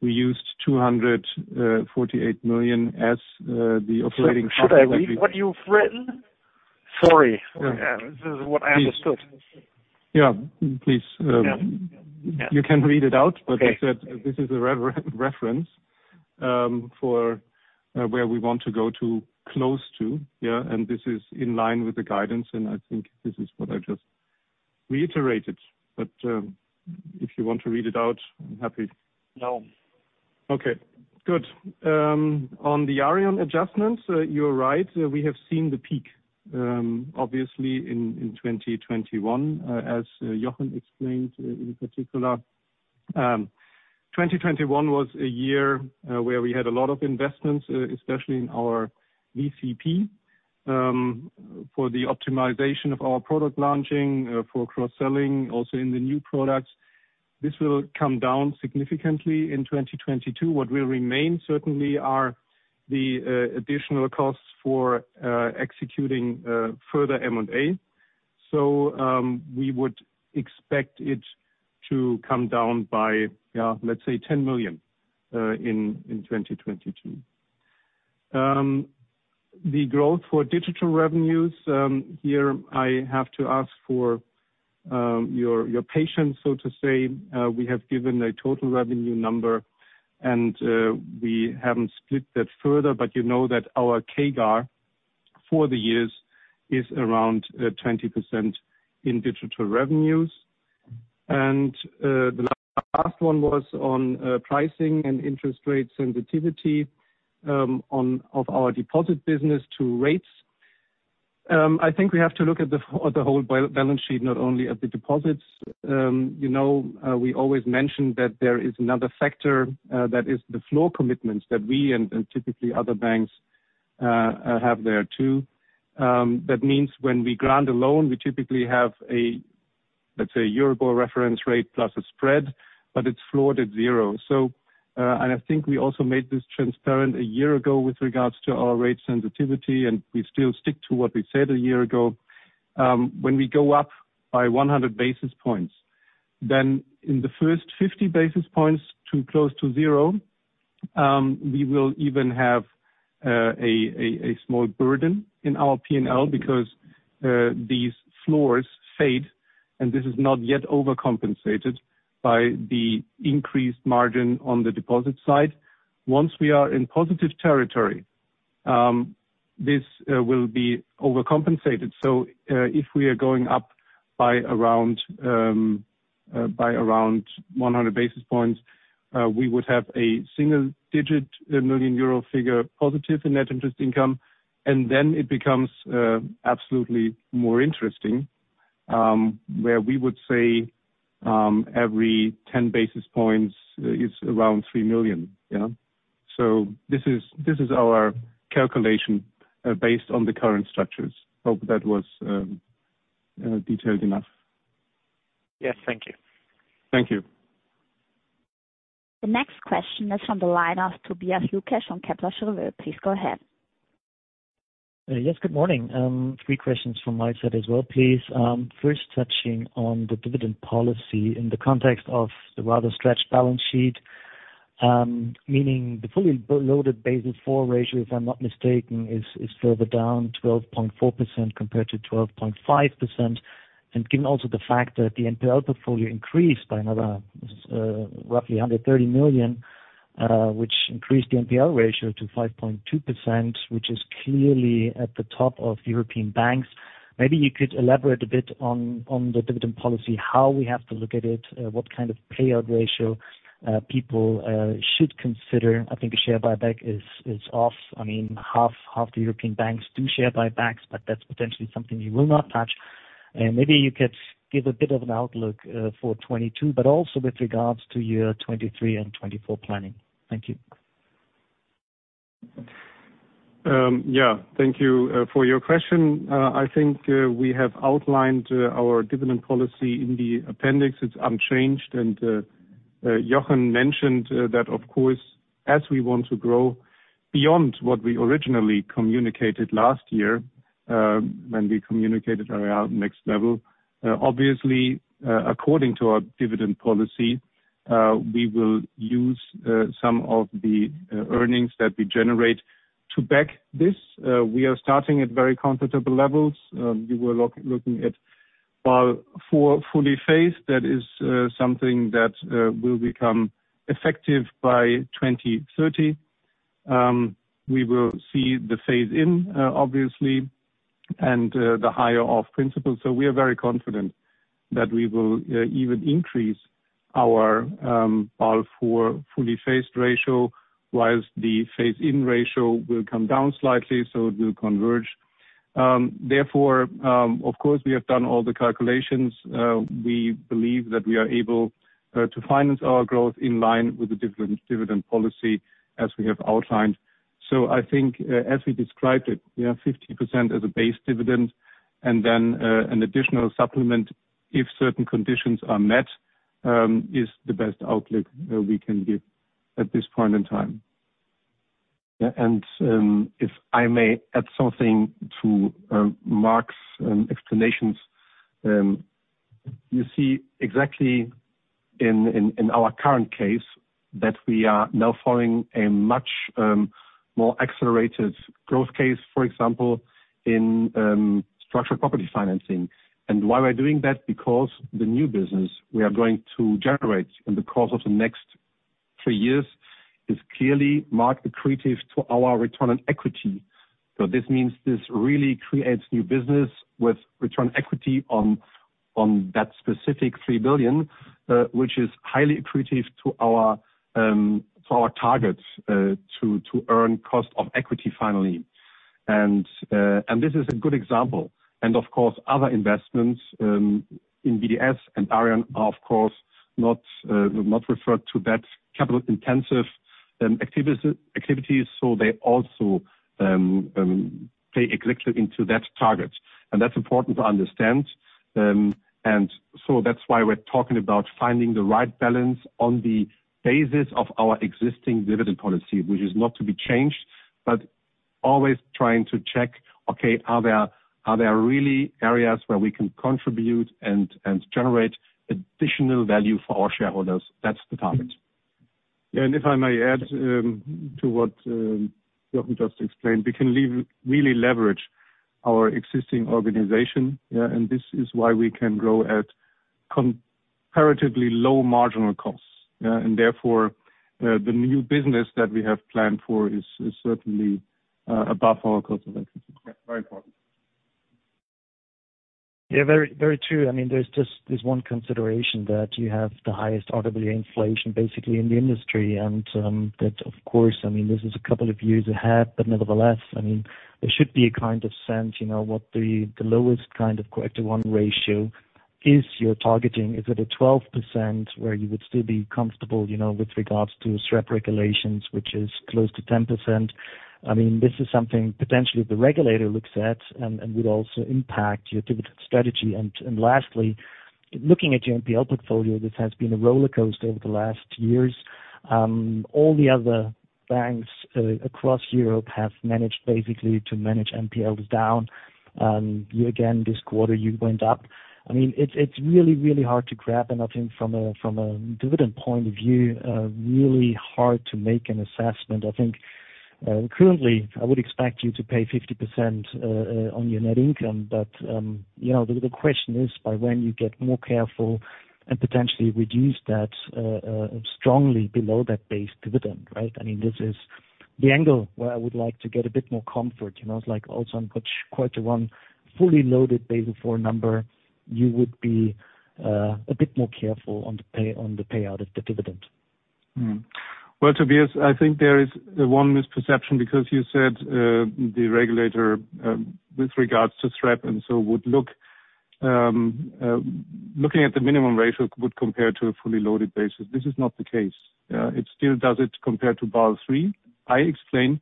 we used 248 million as the operating- Should I read what you've written? Sorry. Yeah. This is what I understood. Yeah, please. Yeah. You can read it out. Okay. Like I said, this is a reference for where we want to go close to. Yeah, this is in line with the guidance, and I think this is what I just reiterated. If you want to read it out, I'm happy. No. Okay, good. On the Aareon adjustments, you're right. We have seen the peak, obviously, in 2021. As Jochen explained in particular, 2021 was a year where we had a lot of investments, especially in our VCP, for the optimization of our product launching, for cross-selling, also in the new products. This will come down significantly in 2022. What will remain certainly are the additional costs for executing further M&A. We would expect it to come down by, yeah, let's say, 10 million, in 2022. The growth for digital revenues, here I have to ask for your patience, so to say. We have given a total revenue number and we haven't split that further, but you know that our CAGR for the years is around 20% in digital revenues. The last one was on pricing and interest rate sensitivity of our deposit business to rates. I think we have to look at the whole balance sheet, not only at the deposits. You know, we always mention that there is another factor that is the floor commitments that we and typically other banks have there too. That means when we grant a loan, we typically have a, let's say, Euro reference rate plus a spread, but it's floored at zero. I think we also made this transparent a year ago with regards to our rate sensitivity, and we still stick to what we said a year ago. When we go up by 100 basis points, then in the first 50 basis points to close to zero, we will even have a small burden in our P&L because these floors fade, and this is not yet overcompensated by the increased margin on the deposit side. Once we are in positive territory, this will be overcompensated. If we are going up by around 100 basis points, we would have a single-digit million EUR figure positive in net interest income. Then it becomes absolutely more interesting, where we would say every 10 basis points is around 3 million. This is our calculation based on the current structures. Hope that was detailed enough. Yes. Thank you. Thank you. The next question is from the line of Tobias Lukesch from Kepler Cheuvreux. Please go ahead. Yes, good morning. Three questions from my side as well, please. First, touching on the dividend policy in the context of the rather stretched balance sheet, meaning the fully loaded Basel IV ratio, if I'm not mistaken, is further down 12.4% compared to 12.5%. Given also the fact that the NPL portfolio increased by another roughly 130 million, which increased the NPL ratio to 5.2%, which is clearly at the top of European banks. Maybe you could elaborate a bit on the dividend policy, how we have to look at it, what kind of payout ratio people should consider. I think a share buyback is off. I mean, half the European banks do share buybacks, but that's potentially something you will not touch. Maybe you could give a bit of an outlook for 2022, but also with regards to year 2023 and 2024 planning. Thank you. Yeah, thank you for your question. I think we have outlined our dividend policy in the appendix. It's unchanged. Jochen mentioned that, of course, as we want to grow beyond what we originally communicated last year, when we communicated our Next Level, obviously, according to our dividend policy, we will use some of the earnings that we generate to back this. We are starting at very comfortable levels. We were looking at 14% fully phased. That is something that will become effective by 2030. We will see the phase-in, obviously, and the higher output floors. We are very confident that we will even increase our 14% fully phased ratio, whilst the phase-in ratio will come down slightly, so it will converge. Therefore, of course, we have done all the calculations. We believe that we are able to finance our growth in line with the dividend policy as we have outlined. I think, as we described it, yeah, 50% as a base dividend and then an additional supplement if certain conditions are met, is the best outlook we can give at this point in time. If I may add something to Marc's explanations. You see exactly in our current case that we are now following a much more accelerated growth case. For example, in structured property financing. Why we're doing that? Because the new business we are going to generate in the course of the next three years is clearly market accretive to our return on equity. This means this really creates new business with return equity on that specific 3 billion, which is highly accretive to our targets to earn cost of equity finally. This is a good example. Of course, other investments in BDS and Aareon are of course not referred to that capital-intensive activities, so they also play exactly into that target. That's important to understand. That's why we're talking about finding the right balance on the basis of our existing dividend policy, which is not to be changed, but always trying to check, okay, are there really areas where we can contribute and generate additional value for our shareholders? That's the target. Yeah. If I may add to what Jochen just explained, we can really leverage our existing organization, yeah, and this is why we can grow at comparatively low marginal costs. Therefore, the new business that we have planned for is certainly above our cost of equity. Yeah. Very important. Yeah, very, very true. I mean, there's just this one consideration that you have the highest RWA inflation basically in the industry. That, of course, I mean, this is a couple of years ahead, but nevertheless, I mean, there should be a kind of sense, you know, what the lowest kind of core equity-one ratio is you're targeting. Is it a 12% where you would still be comfortable, you know, with regards to SREP regulations, which is close to 10%? I mean, this is something potentially the regulator looks at and would also impact your dividend strategy. Lastly, looking at your NPL portfolio, this has been a rollercoaster over the last years. All the other banks across Europe have managed basically to manage NPLs down, you again this quarter you went up. I mean, it's really hard to grab, and I think from a dividend point of view, really hard to make an assessment. I think, currently, I would expect you to pay 50% on your net income. You know, the question is by when you get more careful and potentially reduce that strongly below that base dividend, right? I mean, this is the angle where I would like to get a bit more comfort, you know. It's like, also on quarter one, fully loaded Basel IV number, you would be a bit more careful on the payout of the dividend. Well, Tobias, I think there is one misperception because you said the regulator with regards to SREP, and so would look looking at the minimum ratio would compare to a fully loaded basis. This is not the case. It still does it compared to Basel III. I explained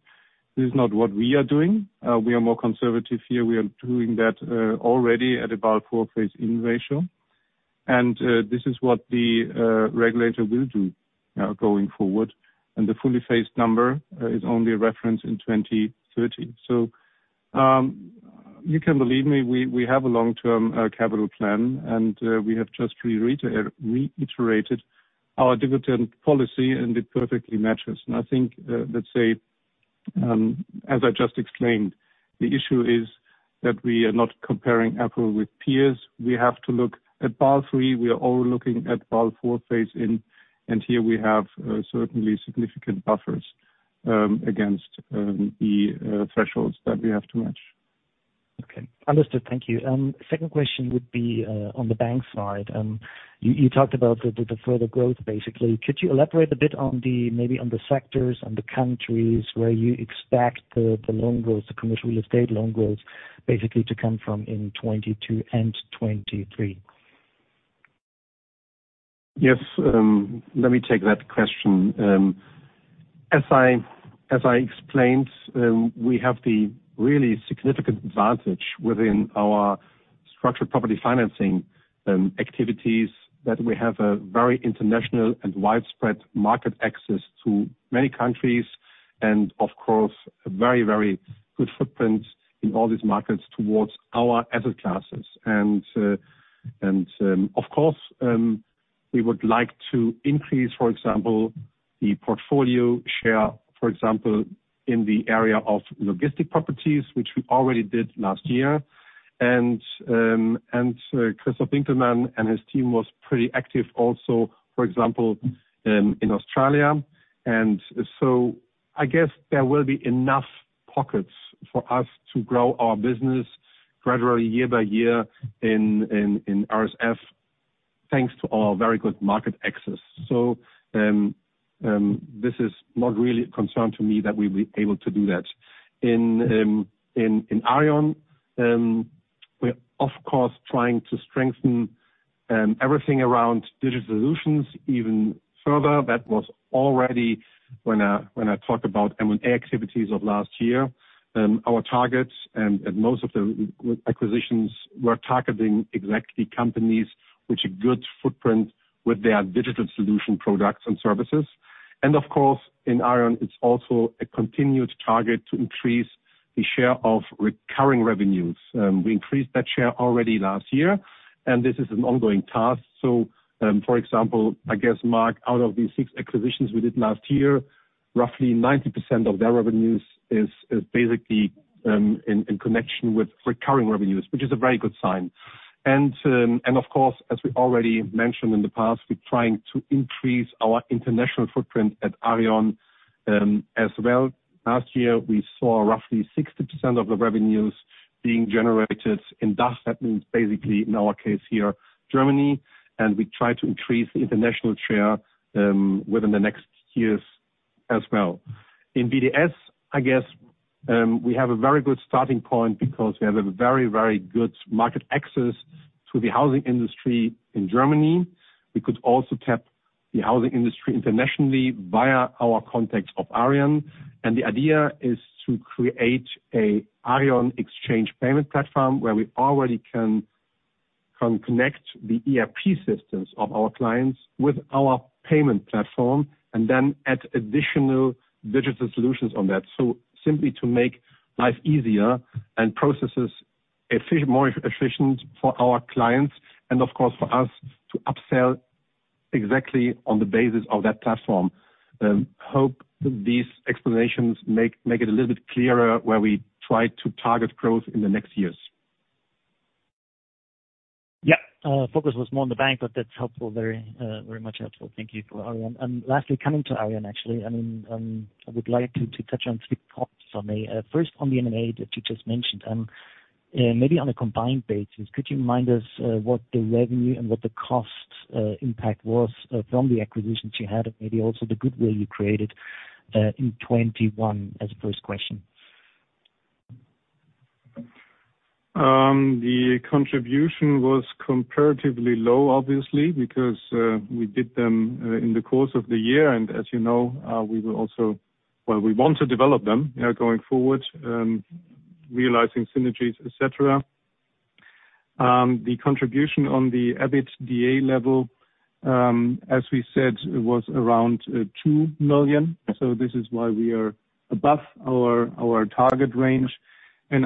this is not what we are doing. We are more conservative here. We are doing that already at a Basel IV phase-in ratio. This is what the regulator will do going forward. The fully phased number is only a reference in 2030. You can believe me, we have a long-term capital plan, and we have just reiterated our dividend policy and it perfectly matches. I think, let's say, as I just explained, the issue is that we are not comparing apples with peers. We have to look at Basel III. We are all looking at Basel IV phase-in, and here we have certainly significant buffers against the thresholds that we have to match. Okay. Understood. Thank you. Second question would be on the bank side. You talked about the further growth, basically. Could you elaborate a bit, maybe on the sectors and the countries where you expect the loan growth, the commercial real estate loan growth, basically to come from in 2022 and 2023? Yes. Let me take that question. As I explained, we have the really significant advantage within our structured property financing activities, that we have a very international and widespread market access to many countries and of course, a very, very good footprint in all these markets towards our asset classes. We would like to increase, for example, the portfolio share, for example, in the area of logistics properties, which we already did last year. Christof Winkelmann and his team was pretty active also, for example, in Australia. I guess there will be enough pockets for us to grow our business gradually year by year in RSF, thanks to our very good market access. This is not really a concern to me that we'll be able to do that. In Aareon, we're of course trying to strengthen everything around digital solutions even further. That was already when I talked about M&A activities of last year, our targets and most of the acquisitions were targeting exactly companies which have a good footprint with their digital solution products and services. Of course, in Aareon, it's also a continued target to increase the share of recurring revenues. We increased that share already last year, and this is an ongoing task. For example, I guess Marc, out of these six acquisitions we did last year, roughly 90% of their revenues is basically in connection with recurring revenues, which is a very good sign. Of course, as we already mentioned in the past, we're trying to increase our international footprint at Aareon, as well. Last year we saw roughly 60% of the revenues being generated in DACH. That means basically in our case here, Germany, and we try to increase the international share within the next years as well. In BDS, I guess, we have a very good starting point because we have a very good market access to the housing industry in Germany. We could also tap the housing industry internationally via our contacts of Aareon. The idea is to create a Aareon Exchange & Payment platform where we already can connect the ERP systems of our clients with our payment platform and then add additional digital solutions on that. Simply to make life easier and processes more efficient for our clients and, of course, for us to upsell exactly on the basis of that platform. Hope these explanations make it a little bit clearer where we try to target growth in the next years. Yeah. Focus was more on the bank, but that's helpful. Very, very much helpful. Thank you for Aareon. Lastly, coming to Aareon, actually, I mean, I would like to touch on three points for me. First, on the M&A that you just mentioned, maybe on a combined basis, could you remind us what the revenue and what the cost impact was from the acquisitions you had, and maybe also the goodwill you created in 2021 as a first question? The contribution was comparatively low, obviously, because we did them in the course of the year. As you know, we will also. Well, we want to develop them, you know, going forward, realizing synergies, et cetera. The contribution on the EBITDA level, as we said, was around 2 million. This is why we are above our target range.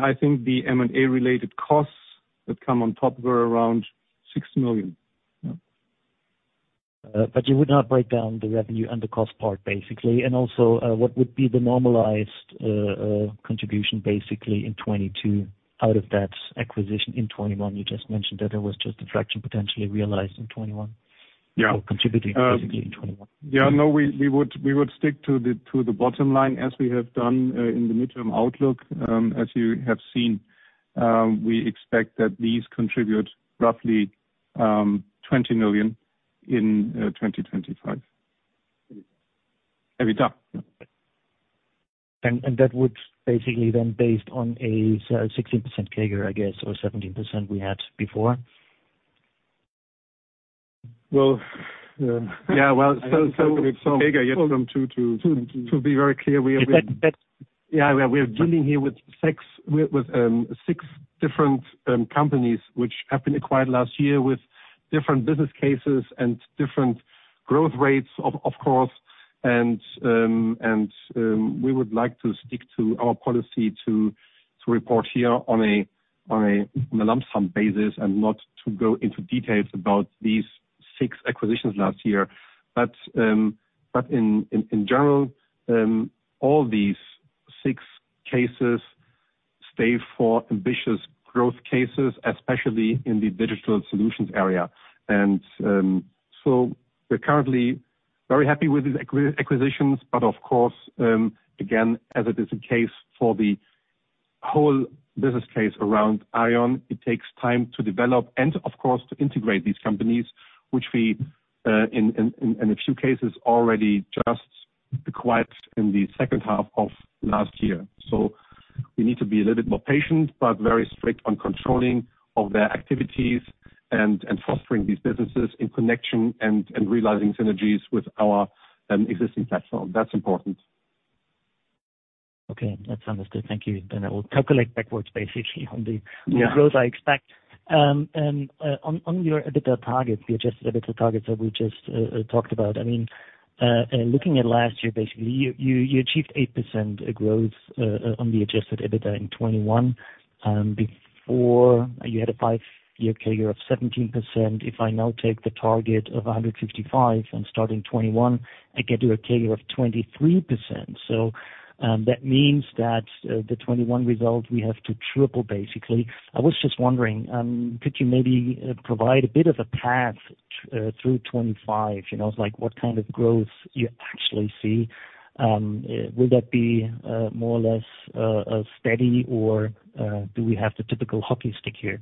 I think the M&A related costs that come on top were around 6 million. Yeah. You would not break down the revenue and the cost part, basically. What would be the normalized contribution basically in 2022 out of that acquisition in 2021? You just mentioned that there was just a fraction potentially realized in 2021. Yeah. Contributing basically in 2021. No, we would stick to the bottom line, as we have done in the midterm outlook. As you have seen, we expect that these contribute roughly 20 million in 2025. Okay. EBITDA. That would basically then based on a 16% CAGR, I guess, or 17% we had before. Well. Yeah, well, still. It's a CAGR from 2 to 20. To be very clear, we are dealing here with six different companies which have been acquired last year with different business cases and different growth rates, of course. We would like to stick to our policy to report here on a lump sum basis and not to go into details about these six acquisitions last year. In general, all these six cases stand for ambitious growth cases, especially in the digital solutions area. We're currently very happy with these acquisitions. Of course, again, as it is the case for the whole business case around Aareon, it takes time to develop and of course to integrate these companies, which we in a few cases, already just acquired in the second half of last year. We need to be a little bit more patient, but very strict on controlling of their activities and fostering these businesses in connection and realizing synergies with our existing platform. That's important. Okay. That's understood. Thank you. I will calculate backwards, basically on the growth I expect. On your EBITDA target, the adjusted EBITDA targets that we just talked about. I mean, looking at last year, basically, you achieved 8% growth on the adjusted EBITDA in 2021, before you had a five-year CAGR of 17%. If I now take the target of 155 and starting 2021, I get to a CAGR of 23%. That means that the 2021 result we have to triple basically. I was just wondering, could you maybe provide a bit of a path through 2025? You know, like what kind of growth you actually see? Will that be more or less steady or do we have the typical hockey stick here?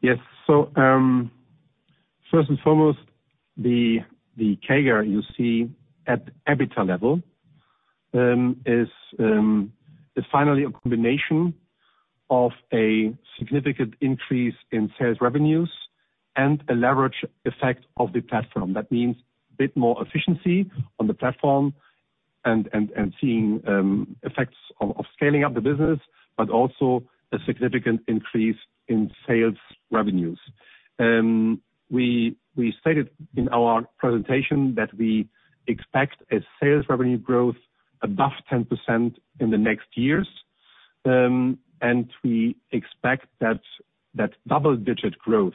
Yes. First and foremost, the CAGR you see at the EBITDA level is finally a combination of a significant increase in sales revenues and a leverage effect of the platform. That means a bit more efficiency on the platform and seeing effects of scaling up the business, but also a significant increase in sales revenues. We stated in our presentation that we expect a sales revenue growth above 10% in the next years. We expect that double-digit growth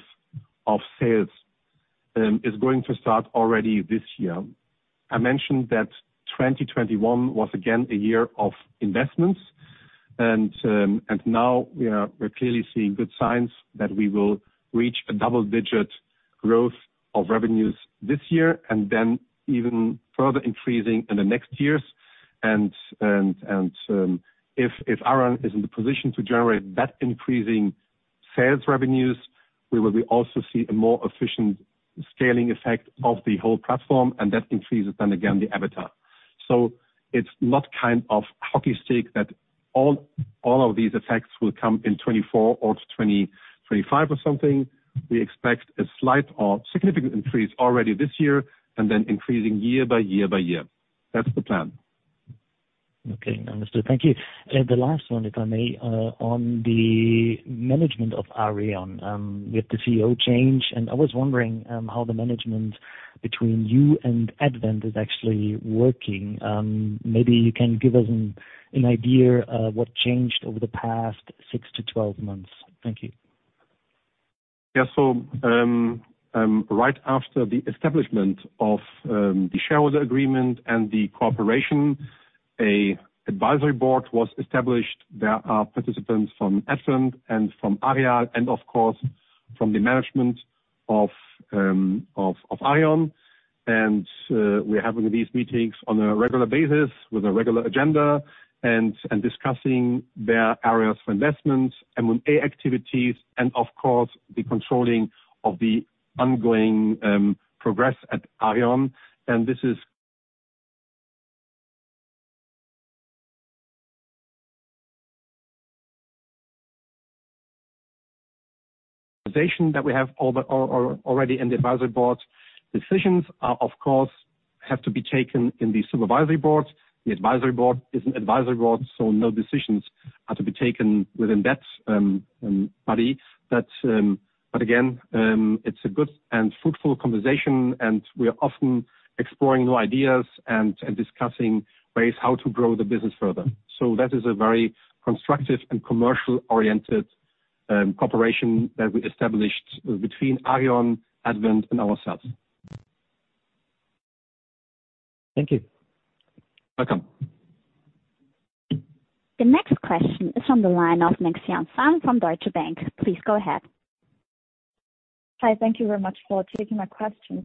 of sales is going to start already this year. I mentioned that 2021 was again a year of investments. Now we are clearly seeing good signs that we will reach a double-digit growth of revenues this year and then even further increasing in the next years. If Aareon is in the position to generate that increasing sales revenues, we will also see a more efficient scaling effect of the whole platform, and that increases then again the EBITDA. It's not kind of hockey stick that all of these effects will come in 2024 or 2025 or something. We expect a slight or significant increase already this year and then increasing year by year. That's the plan. Okay. Understood. Thank you. The last one, if I may, on the management of Aareon, with the CEO change, and I was wondering, how the management between you and Advent is actually working. Maybe you can give us an idea of what changed over the past 6-12 months. Thank you. Right after the establishment of the shareholder agreement and the cooperation, an advisory board was established. There are participants from Advent and from Aareon, and of course, from the management of Aareon. We're having these meetings on a regular basis with a regular agenda and discussing areas for investments, M&A activities and of course the controlling of the ongoing progress at Aareon. We have all this already in the advisory board. Decisions are of course, have to be taken in the Supervisory Board. The advisory board is an advisory board, so no decisions are to be taken within that body. Again, it's a good and fruitful conversation, and we are often exploring new ideas and discussing ways how to grow the business further. That is a very constructive and commercial-oriented cooperation that we established between Aareon, Advent and ourselves. Thank you. Welcome. The next question is from the line of Mengxian Sun from Deutsche Bank. Please go ahead. Hi. Thank you very much for taking my questions.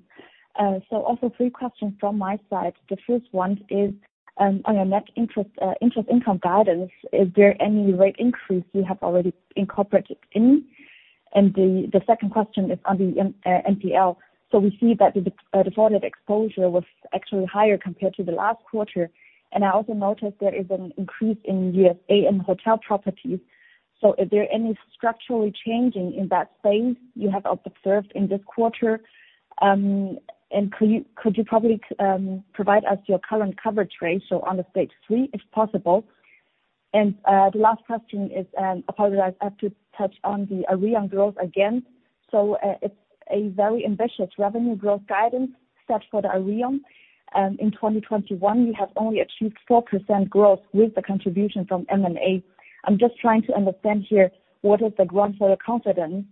Also, three questions from my side. The first one is on your net interest income guidance. Is there any rate increase you have already incorporated in? The second question is on the NPL. We see that the defaulted exposure was actually higher compared to the last quarter. I also noticed there is an increase in the U.S. in hotel properties. Is there any structurally changing in that space you have observed in this quarter? Could you provide us your current coverage ratio on the Stage 3 if possible? The last question is, I apologize, I have to touch on the Aareon growth again. It's a very ambitious revenue growth guidance set for the Aareon. In 2021, you have only achieved 4% growth with the contribution from M&A. I'm just trying to understand here what is the ground for your confidence.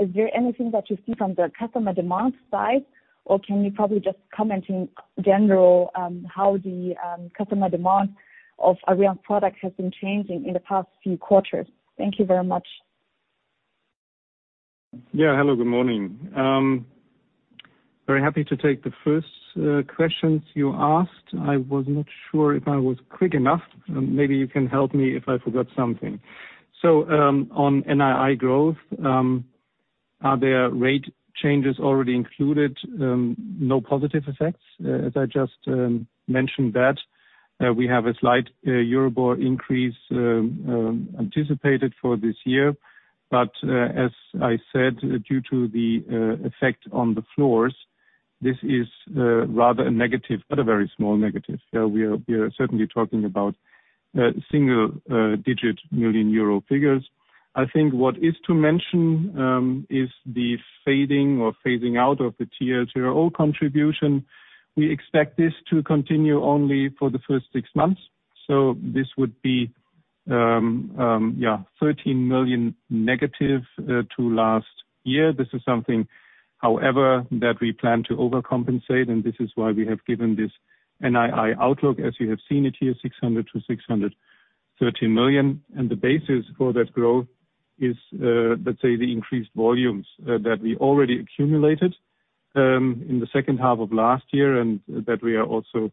Is there anything that you see from the customer demand side? Or can you probably just comment in general, how the customer demand of Aareon products has been changing in the past few quarters? Thank you very much. Hello, good morning. Very happy to take the first questions you asked. I was not sure if I was quick enough. Maybe you can help me if I forgot something. On NII growth, are there rate changes already included? No positive effects. As I just mentioned that we have a slight Euribor increase anticipated for this year. As I said, due to the effect on the floors, this is rather a negative, but a very small negative. We are certainly talking about single-digit million EUR figures. I think what is to mention is the fading or phasing out of the TLTRO contribution. We expect this to continue only for the first six months. This would be, yeah, -13 million to last year. This is something, however, that we plan to overcompensate, and this is why we have given this NII outlook as you have seen it here, 600 million-613 million. The basis for that growth is, let's say, the increased volumes that we already accumulated in the second half of last year, and that we are also,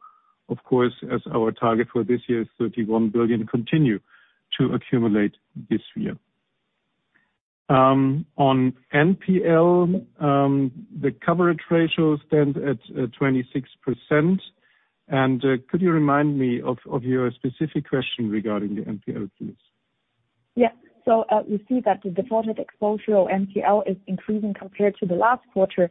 of course, as our target for this year is 31 billion, continue to accumulate this year. On NPL, the coverage ratio stands at 26%. Could you remind me of your specific question regarding the NPL, please? Yeah, we see that the defaulted exposure of NPL is increasing compared to the last quarter.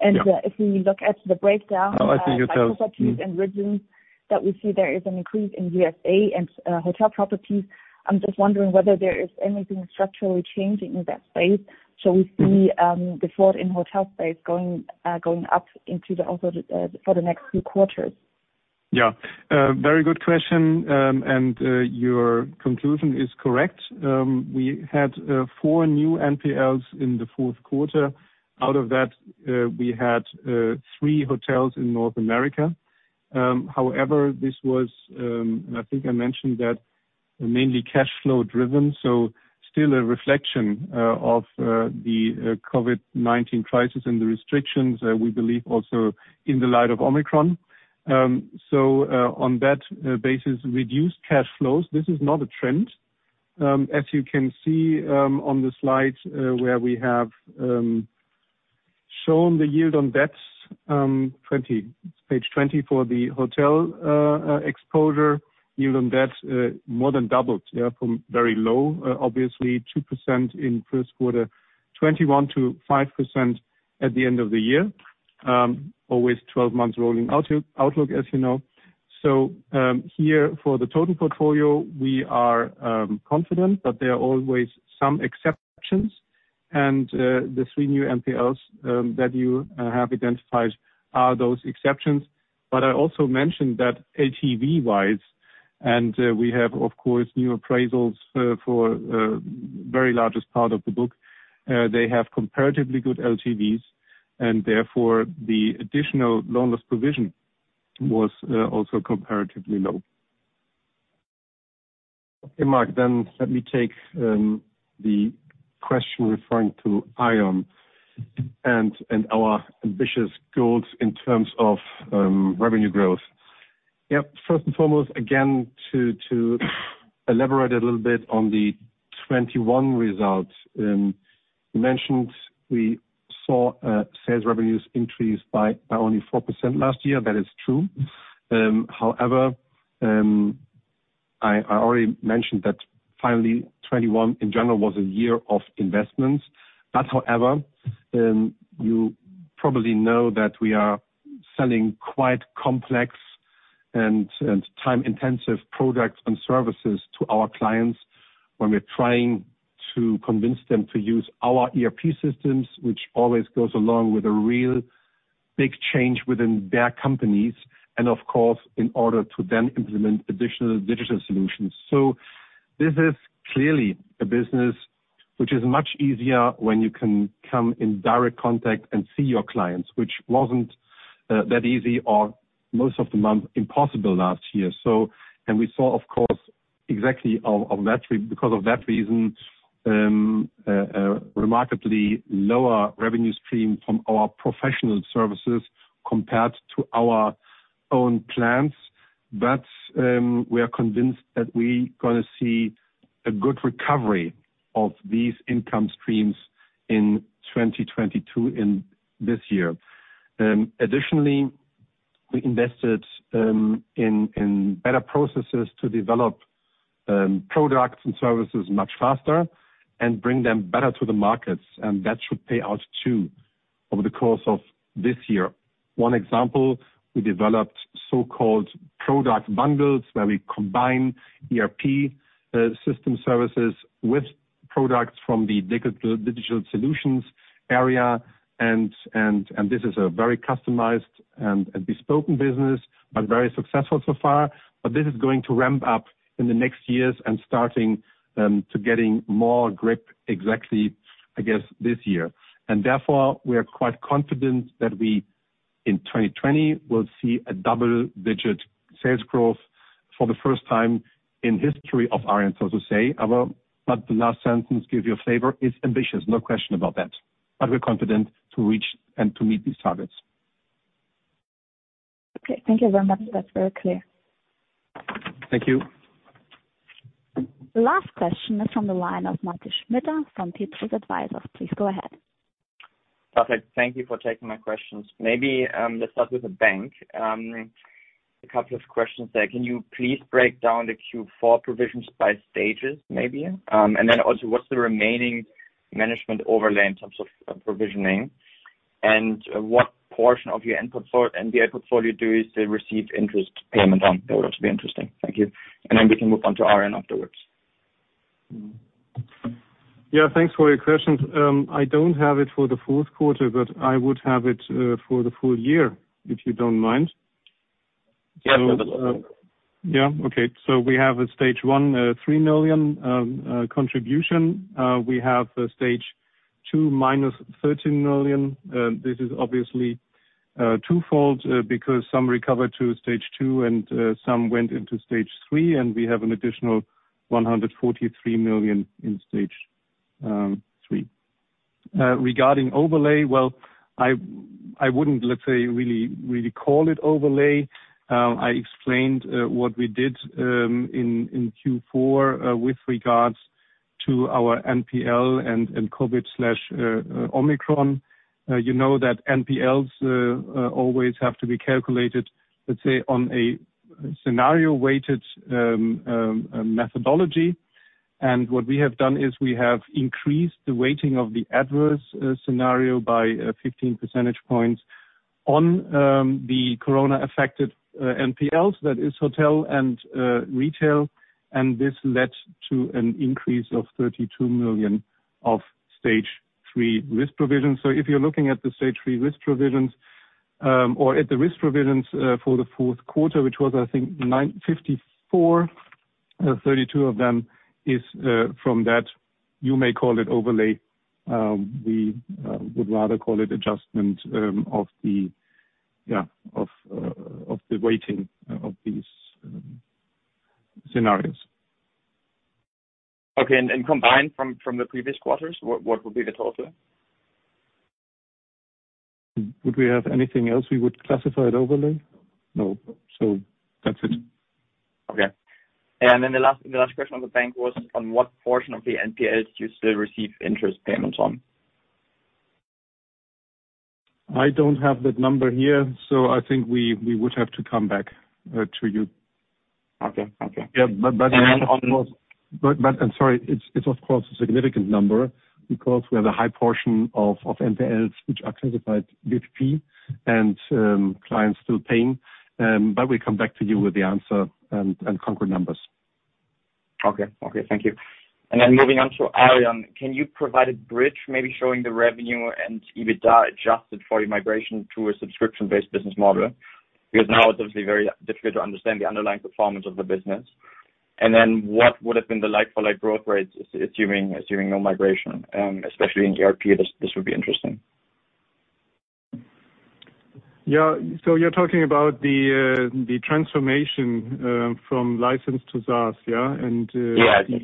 Yeah. If we look at the breakdown. Oh, I see what you mean. By properties and regions, that we see there is an increase in U.S. and hotel properties. I'm just wondering whether there is anything structurally changing in that space. Shall we see defaults in hotel space going up also for the next few quarters? Yeah. Very good question. Your conclusion is correct. We had four new NPLs in the fourth quarter. Out of that, we had three hotels in North America. However, this was, and I think I mentioned that, mainly cash flow driven, so still a reflection of the COVID-19 crisis and the restrictions, we believe, also in the light of Omicron. On that basis, reduced cash flows this is not a trend. As you can see, on the slide, where we have shown the yield on debt, 20, page 20 for the hotel exposure. Yield on debt more than doubled, yeah, from very low, obviously 2% in first quarter 2021 to 5% at the end of the year. 12 months rolling outlook, as you know. Here for the total portfolio, we are confident that there are always some exceptions. The three new NPLs that you have identified are those exceptions. I also mentioned that LTV-wise We have, of course, new appraisals for very largest part of the book. They have comparatively good LTVs and, therefore, the additional loan loss provision was also comparatively low. Hey, Marc, let me take the question referring to Aareon and our ambitious goals in terms of revenue growth. Yep, first and foremost, again, to elaborate a little bit on the 2021 results. You mentioned we saw sales revenues increase by only 4% last year. That is true. However, I already mentioned that, finally, 2021 in general was a year of investments. However, you probably know that we are selling quite complex and time-intensive products and services to our clients when we're trying to convince them to use our ERP systems, which always goes along with a real big change within their companies and of course, in order to then implement additional digital solutions. This is clearly a business which is much easier when you can come in direct contact and see your clients, which wasn't that easy or most of the months, impossible last year. We saw, of course, exactly because of that reason, remarkably lower revenue stream from our professional services compared to our own plans. We are convinced that we gonna see a good recovery of these income streams in 2022, this year. Additionally, we invested in better processes to develop products and services much faster and bring them better to the markets. That should pay out too over the course of this year. One example, we developed so-called product bundles, where we combine ERP system services with products from the digital solutions area, and this is a very customized and bespoke business, but very successful so far. This is going to ramp up in the next years and starting to getting more grip exactly, I guess, this year. Therefore, we are quite confident that we in 2020 will see a double-digit sales growth for the first time in history of Aareon, so to say. But the last sentence give you a flavour. It's ambitious, no question about that, but we're confident to reach and to meet these targets. Okay. Thank you very much. That's very clear. Thank you. Last question is from the line of from Petrus Advisers. Please go ahead. Perfect. Thank you for taking my questions. Maybe let's start with the bank. A couple of questions there. Can you please break down the Q4 provisions by stages, maybe? And then also, what's the remaining management overlay in terms of provisioning? And what portion of your NPL portfolio do you still receive interest payment on? That would also be interesting. Thank you. Then we can move on to Aareon afterwards. Yeah. Thanks for your questions. I don't have it for the fourth quarter, but I would have it for the full year, if you don't mind. Yes. We have a Stage 1, 3 million contribution. We have a Stage 2 -13 million. This is obviously twofold, because some recovered to Stage 2 and some went into Stage 3, and we have an additional 143 million in Stage 3. Regarding overlay, well, I wouldn't, let's say, really call it overlay. I explained what we did in Q4 with regards to our NPL and COVID/Omicron. You know that NPLs always have to be calculated, let's say, on a scenario-weighted methodology. What we have done is we have increased the weighting of the adverse scenario by 15 percentage points on the corona-affected NPLs, that is, hotel and retail. This led to an increase of 32 million of Stage 3 risk provisions. If you're looking at the Stage 3 risk provisions or at the risk provisions for the fourth quarter, which was, I think, 94, 32 of them is from that. You may call it overlay. We would rather call it adjustment of the weighting of these scenarios. Okay. Combined from the previous quarters, what would be the total? Would we have anything else we would classify it overlay? No. That's it. Okay. The last question on the bank was on what portion of the NPLs do you still receive interest payments on? I don't have that number here, so I think we would have to come back to you. Okay. Okay. Yeah. Of course. And then on- I'm sorry. It's, of course, a significant number because we have a high portion of NPLs which are classified VPP and clients still paying. We come back to you with the answer and concrete numbers. Okay. Thank you. Moving on to Aareon. Can you provide a bridge, maybe showing the revenue and EBITDA adjusted for your migration to a subscription-based business model? Because now it's obviously very difficult to understand the underlying performance of the business. What would have been the like-for-like growth rates assuming no migration, especially in ERP? This would be interesting. Yeah. You're talking about the transformation from license to SaaS, yeah? Yeah.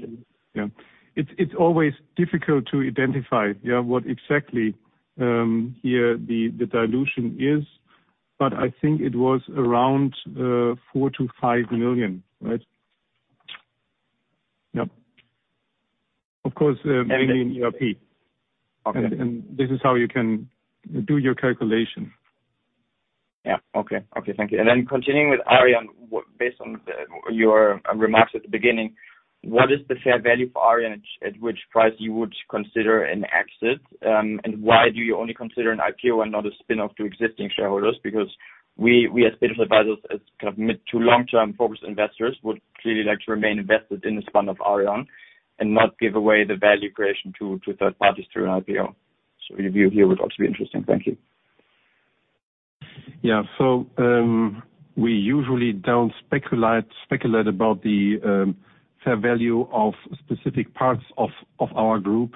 Yeah. It's always difficult to identify, yeah, what exactly here the dilution is. I think it was around 4-5 million, right? Yep. Of course, mainly in ERP. Okay. This is how you can do your calculation. Yeah. Okay. Thank you. Continuing with Aareon, based on your remarks at the beginning, what is the fair value for Aareon at which price you would consider an exit? Why do you only consider an IPO and not a spin-off to existing shareholders? Because we, as Petrus Advisers, as kind of mid to long-term focused investors, would clearly like to remain invested in the spin of Aareon and not give away the value creation to third parties through an IPO. Your view here would also be interesting. Thank you. Yeah. We usually don't speculate about the fair value of specific parts of our group.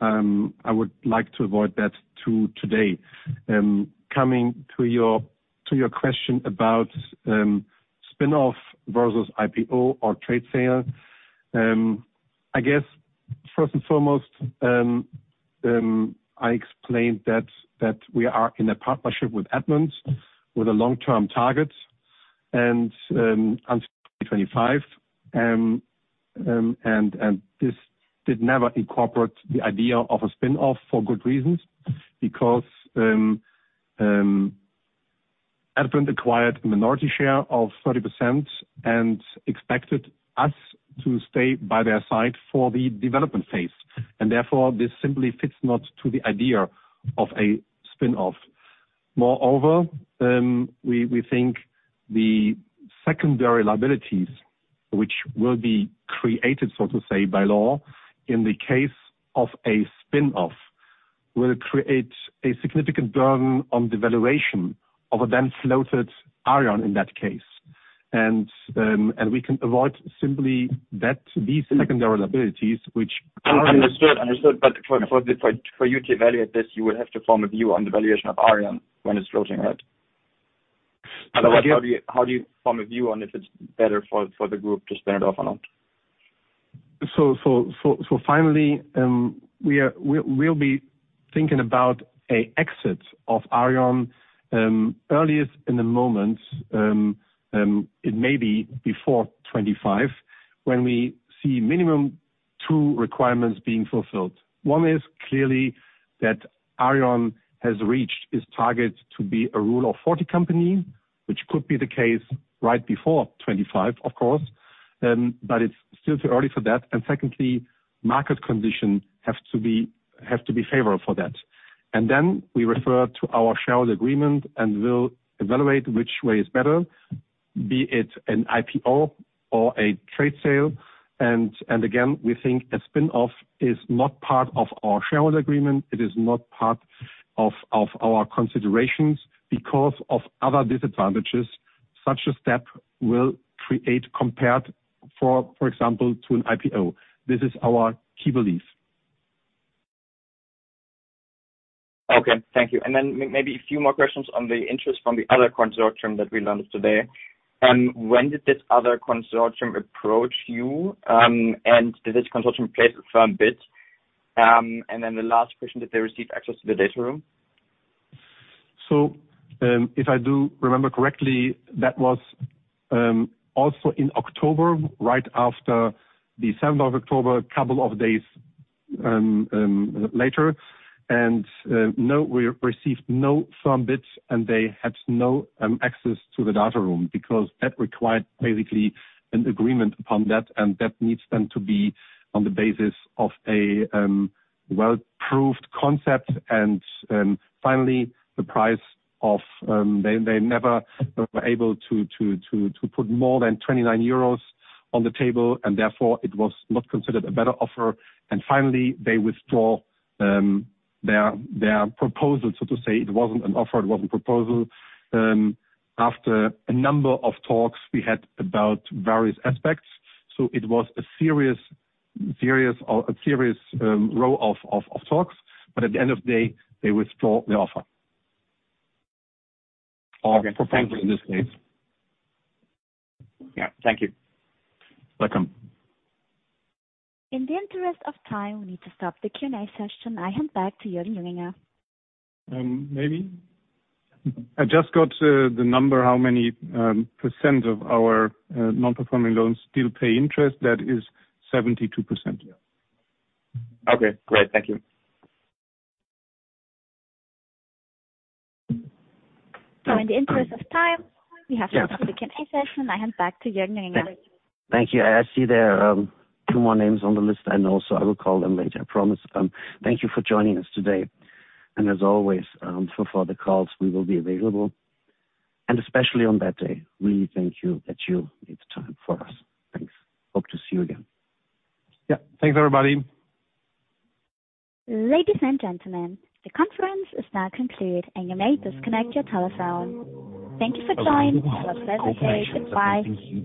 I would like to avoid that too today. Coming to your question about spin-off versus IPO or trade sale, I guess first and foremost, I explained that we are in a partnership with Advent with a long-term target and until 2025. This did never incorporate the idea of a spin-off for good reasons because Advent acquired a minority share of 30% and expected us to stay by their side for the development phase. Therefore, this simply fits not to the idea of a spin-off. Moreover, we think the secondary liabilities, which will be created, so to say, by law in the case of a spin-off, will create a significant burden on the valuation of a then floated Aareon in that case. We can avoid simply that these secondary liabilities which Understood. For you to evaluate this, you would have to form a view on the valuation of Aareon when it's floating ahead. Otherwise, how do you form a view on if it's better for the group to spin it off or not? Finally, we'll be thinking about an exit of Aareon. It may be before 2025 when we see minimum two requirements being fulfilled. One is clearly that Aareon has reached its target to be a Rule of 40 company, which could be the case right before 2025, of course. It's still too early for that. Secondly, market conditions have to be favourable for that. Then we refer to our shareholder agreement, and we'll evaluate which way is better, be it an IPO or a trade sale. Again, we think a spin-off is not part of our shareholder agreement. It is not part of our considerations because of other disadvantages such a step will create compared, for example, to an IPO. This is our key belief. Okay. Thank you. Maybe a few more questions on the interest from the other consortium that we learned today. When did this other consortium approach you? Did this consortium place a firm bid? The last question, did they receive access to the data room? If I do remember correctly, that was also in October, right after the 7th of October, couple of days later. No, we received no firm bids, and they had no access to the data room because that required basically an agreement upon that, and that needs them to be on the basis of a well-proved concept. Finally, they never were able to put more than 29 euros on the table, and therefore it was not considered a better offer. Finally, they withdraw their proposal. To say it wasn't an offer, it was a proposal. After a number of talks, we had about various aspects. It was a serious round of talks. At the end of day, they withdraw the offer. Okay. Thank you. In this case. Yeah. Thank you. Welcome. In the interest of time, we need to stop the Q&A session. I hand back to Jochen Klösges. Maybe. I just got the number, how many percent of our non-performing loans still pay interest. That is 72%. Okay, great. Thank you. In the interest of time, we have to stop the Q&A session. I hand back to Jochen Klösges. Thank you. I see there two more names on the list. I know, so I will call them later, I promise. Thank you for joining us today. As always, for the calls, we will be available. Especially on that day, really thank you that you made the time for us. Thanks. Hope to see you again. Yeah. Thanks, everybody. Ladies and gentlemen, the conference is now concluded, and you may disconnect your telephone. Thank you for joining. Have a blessed day. Goodbye.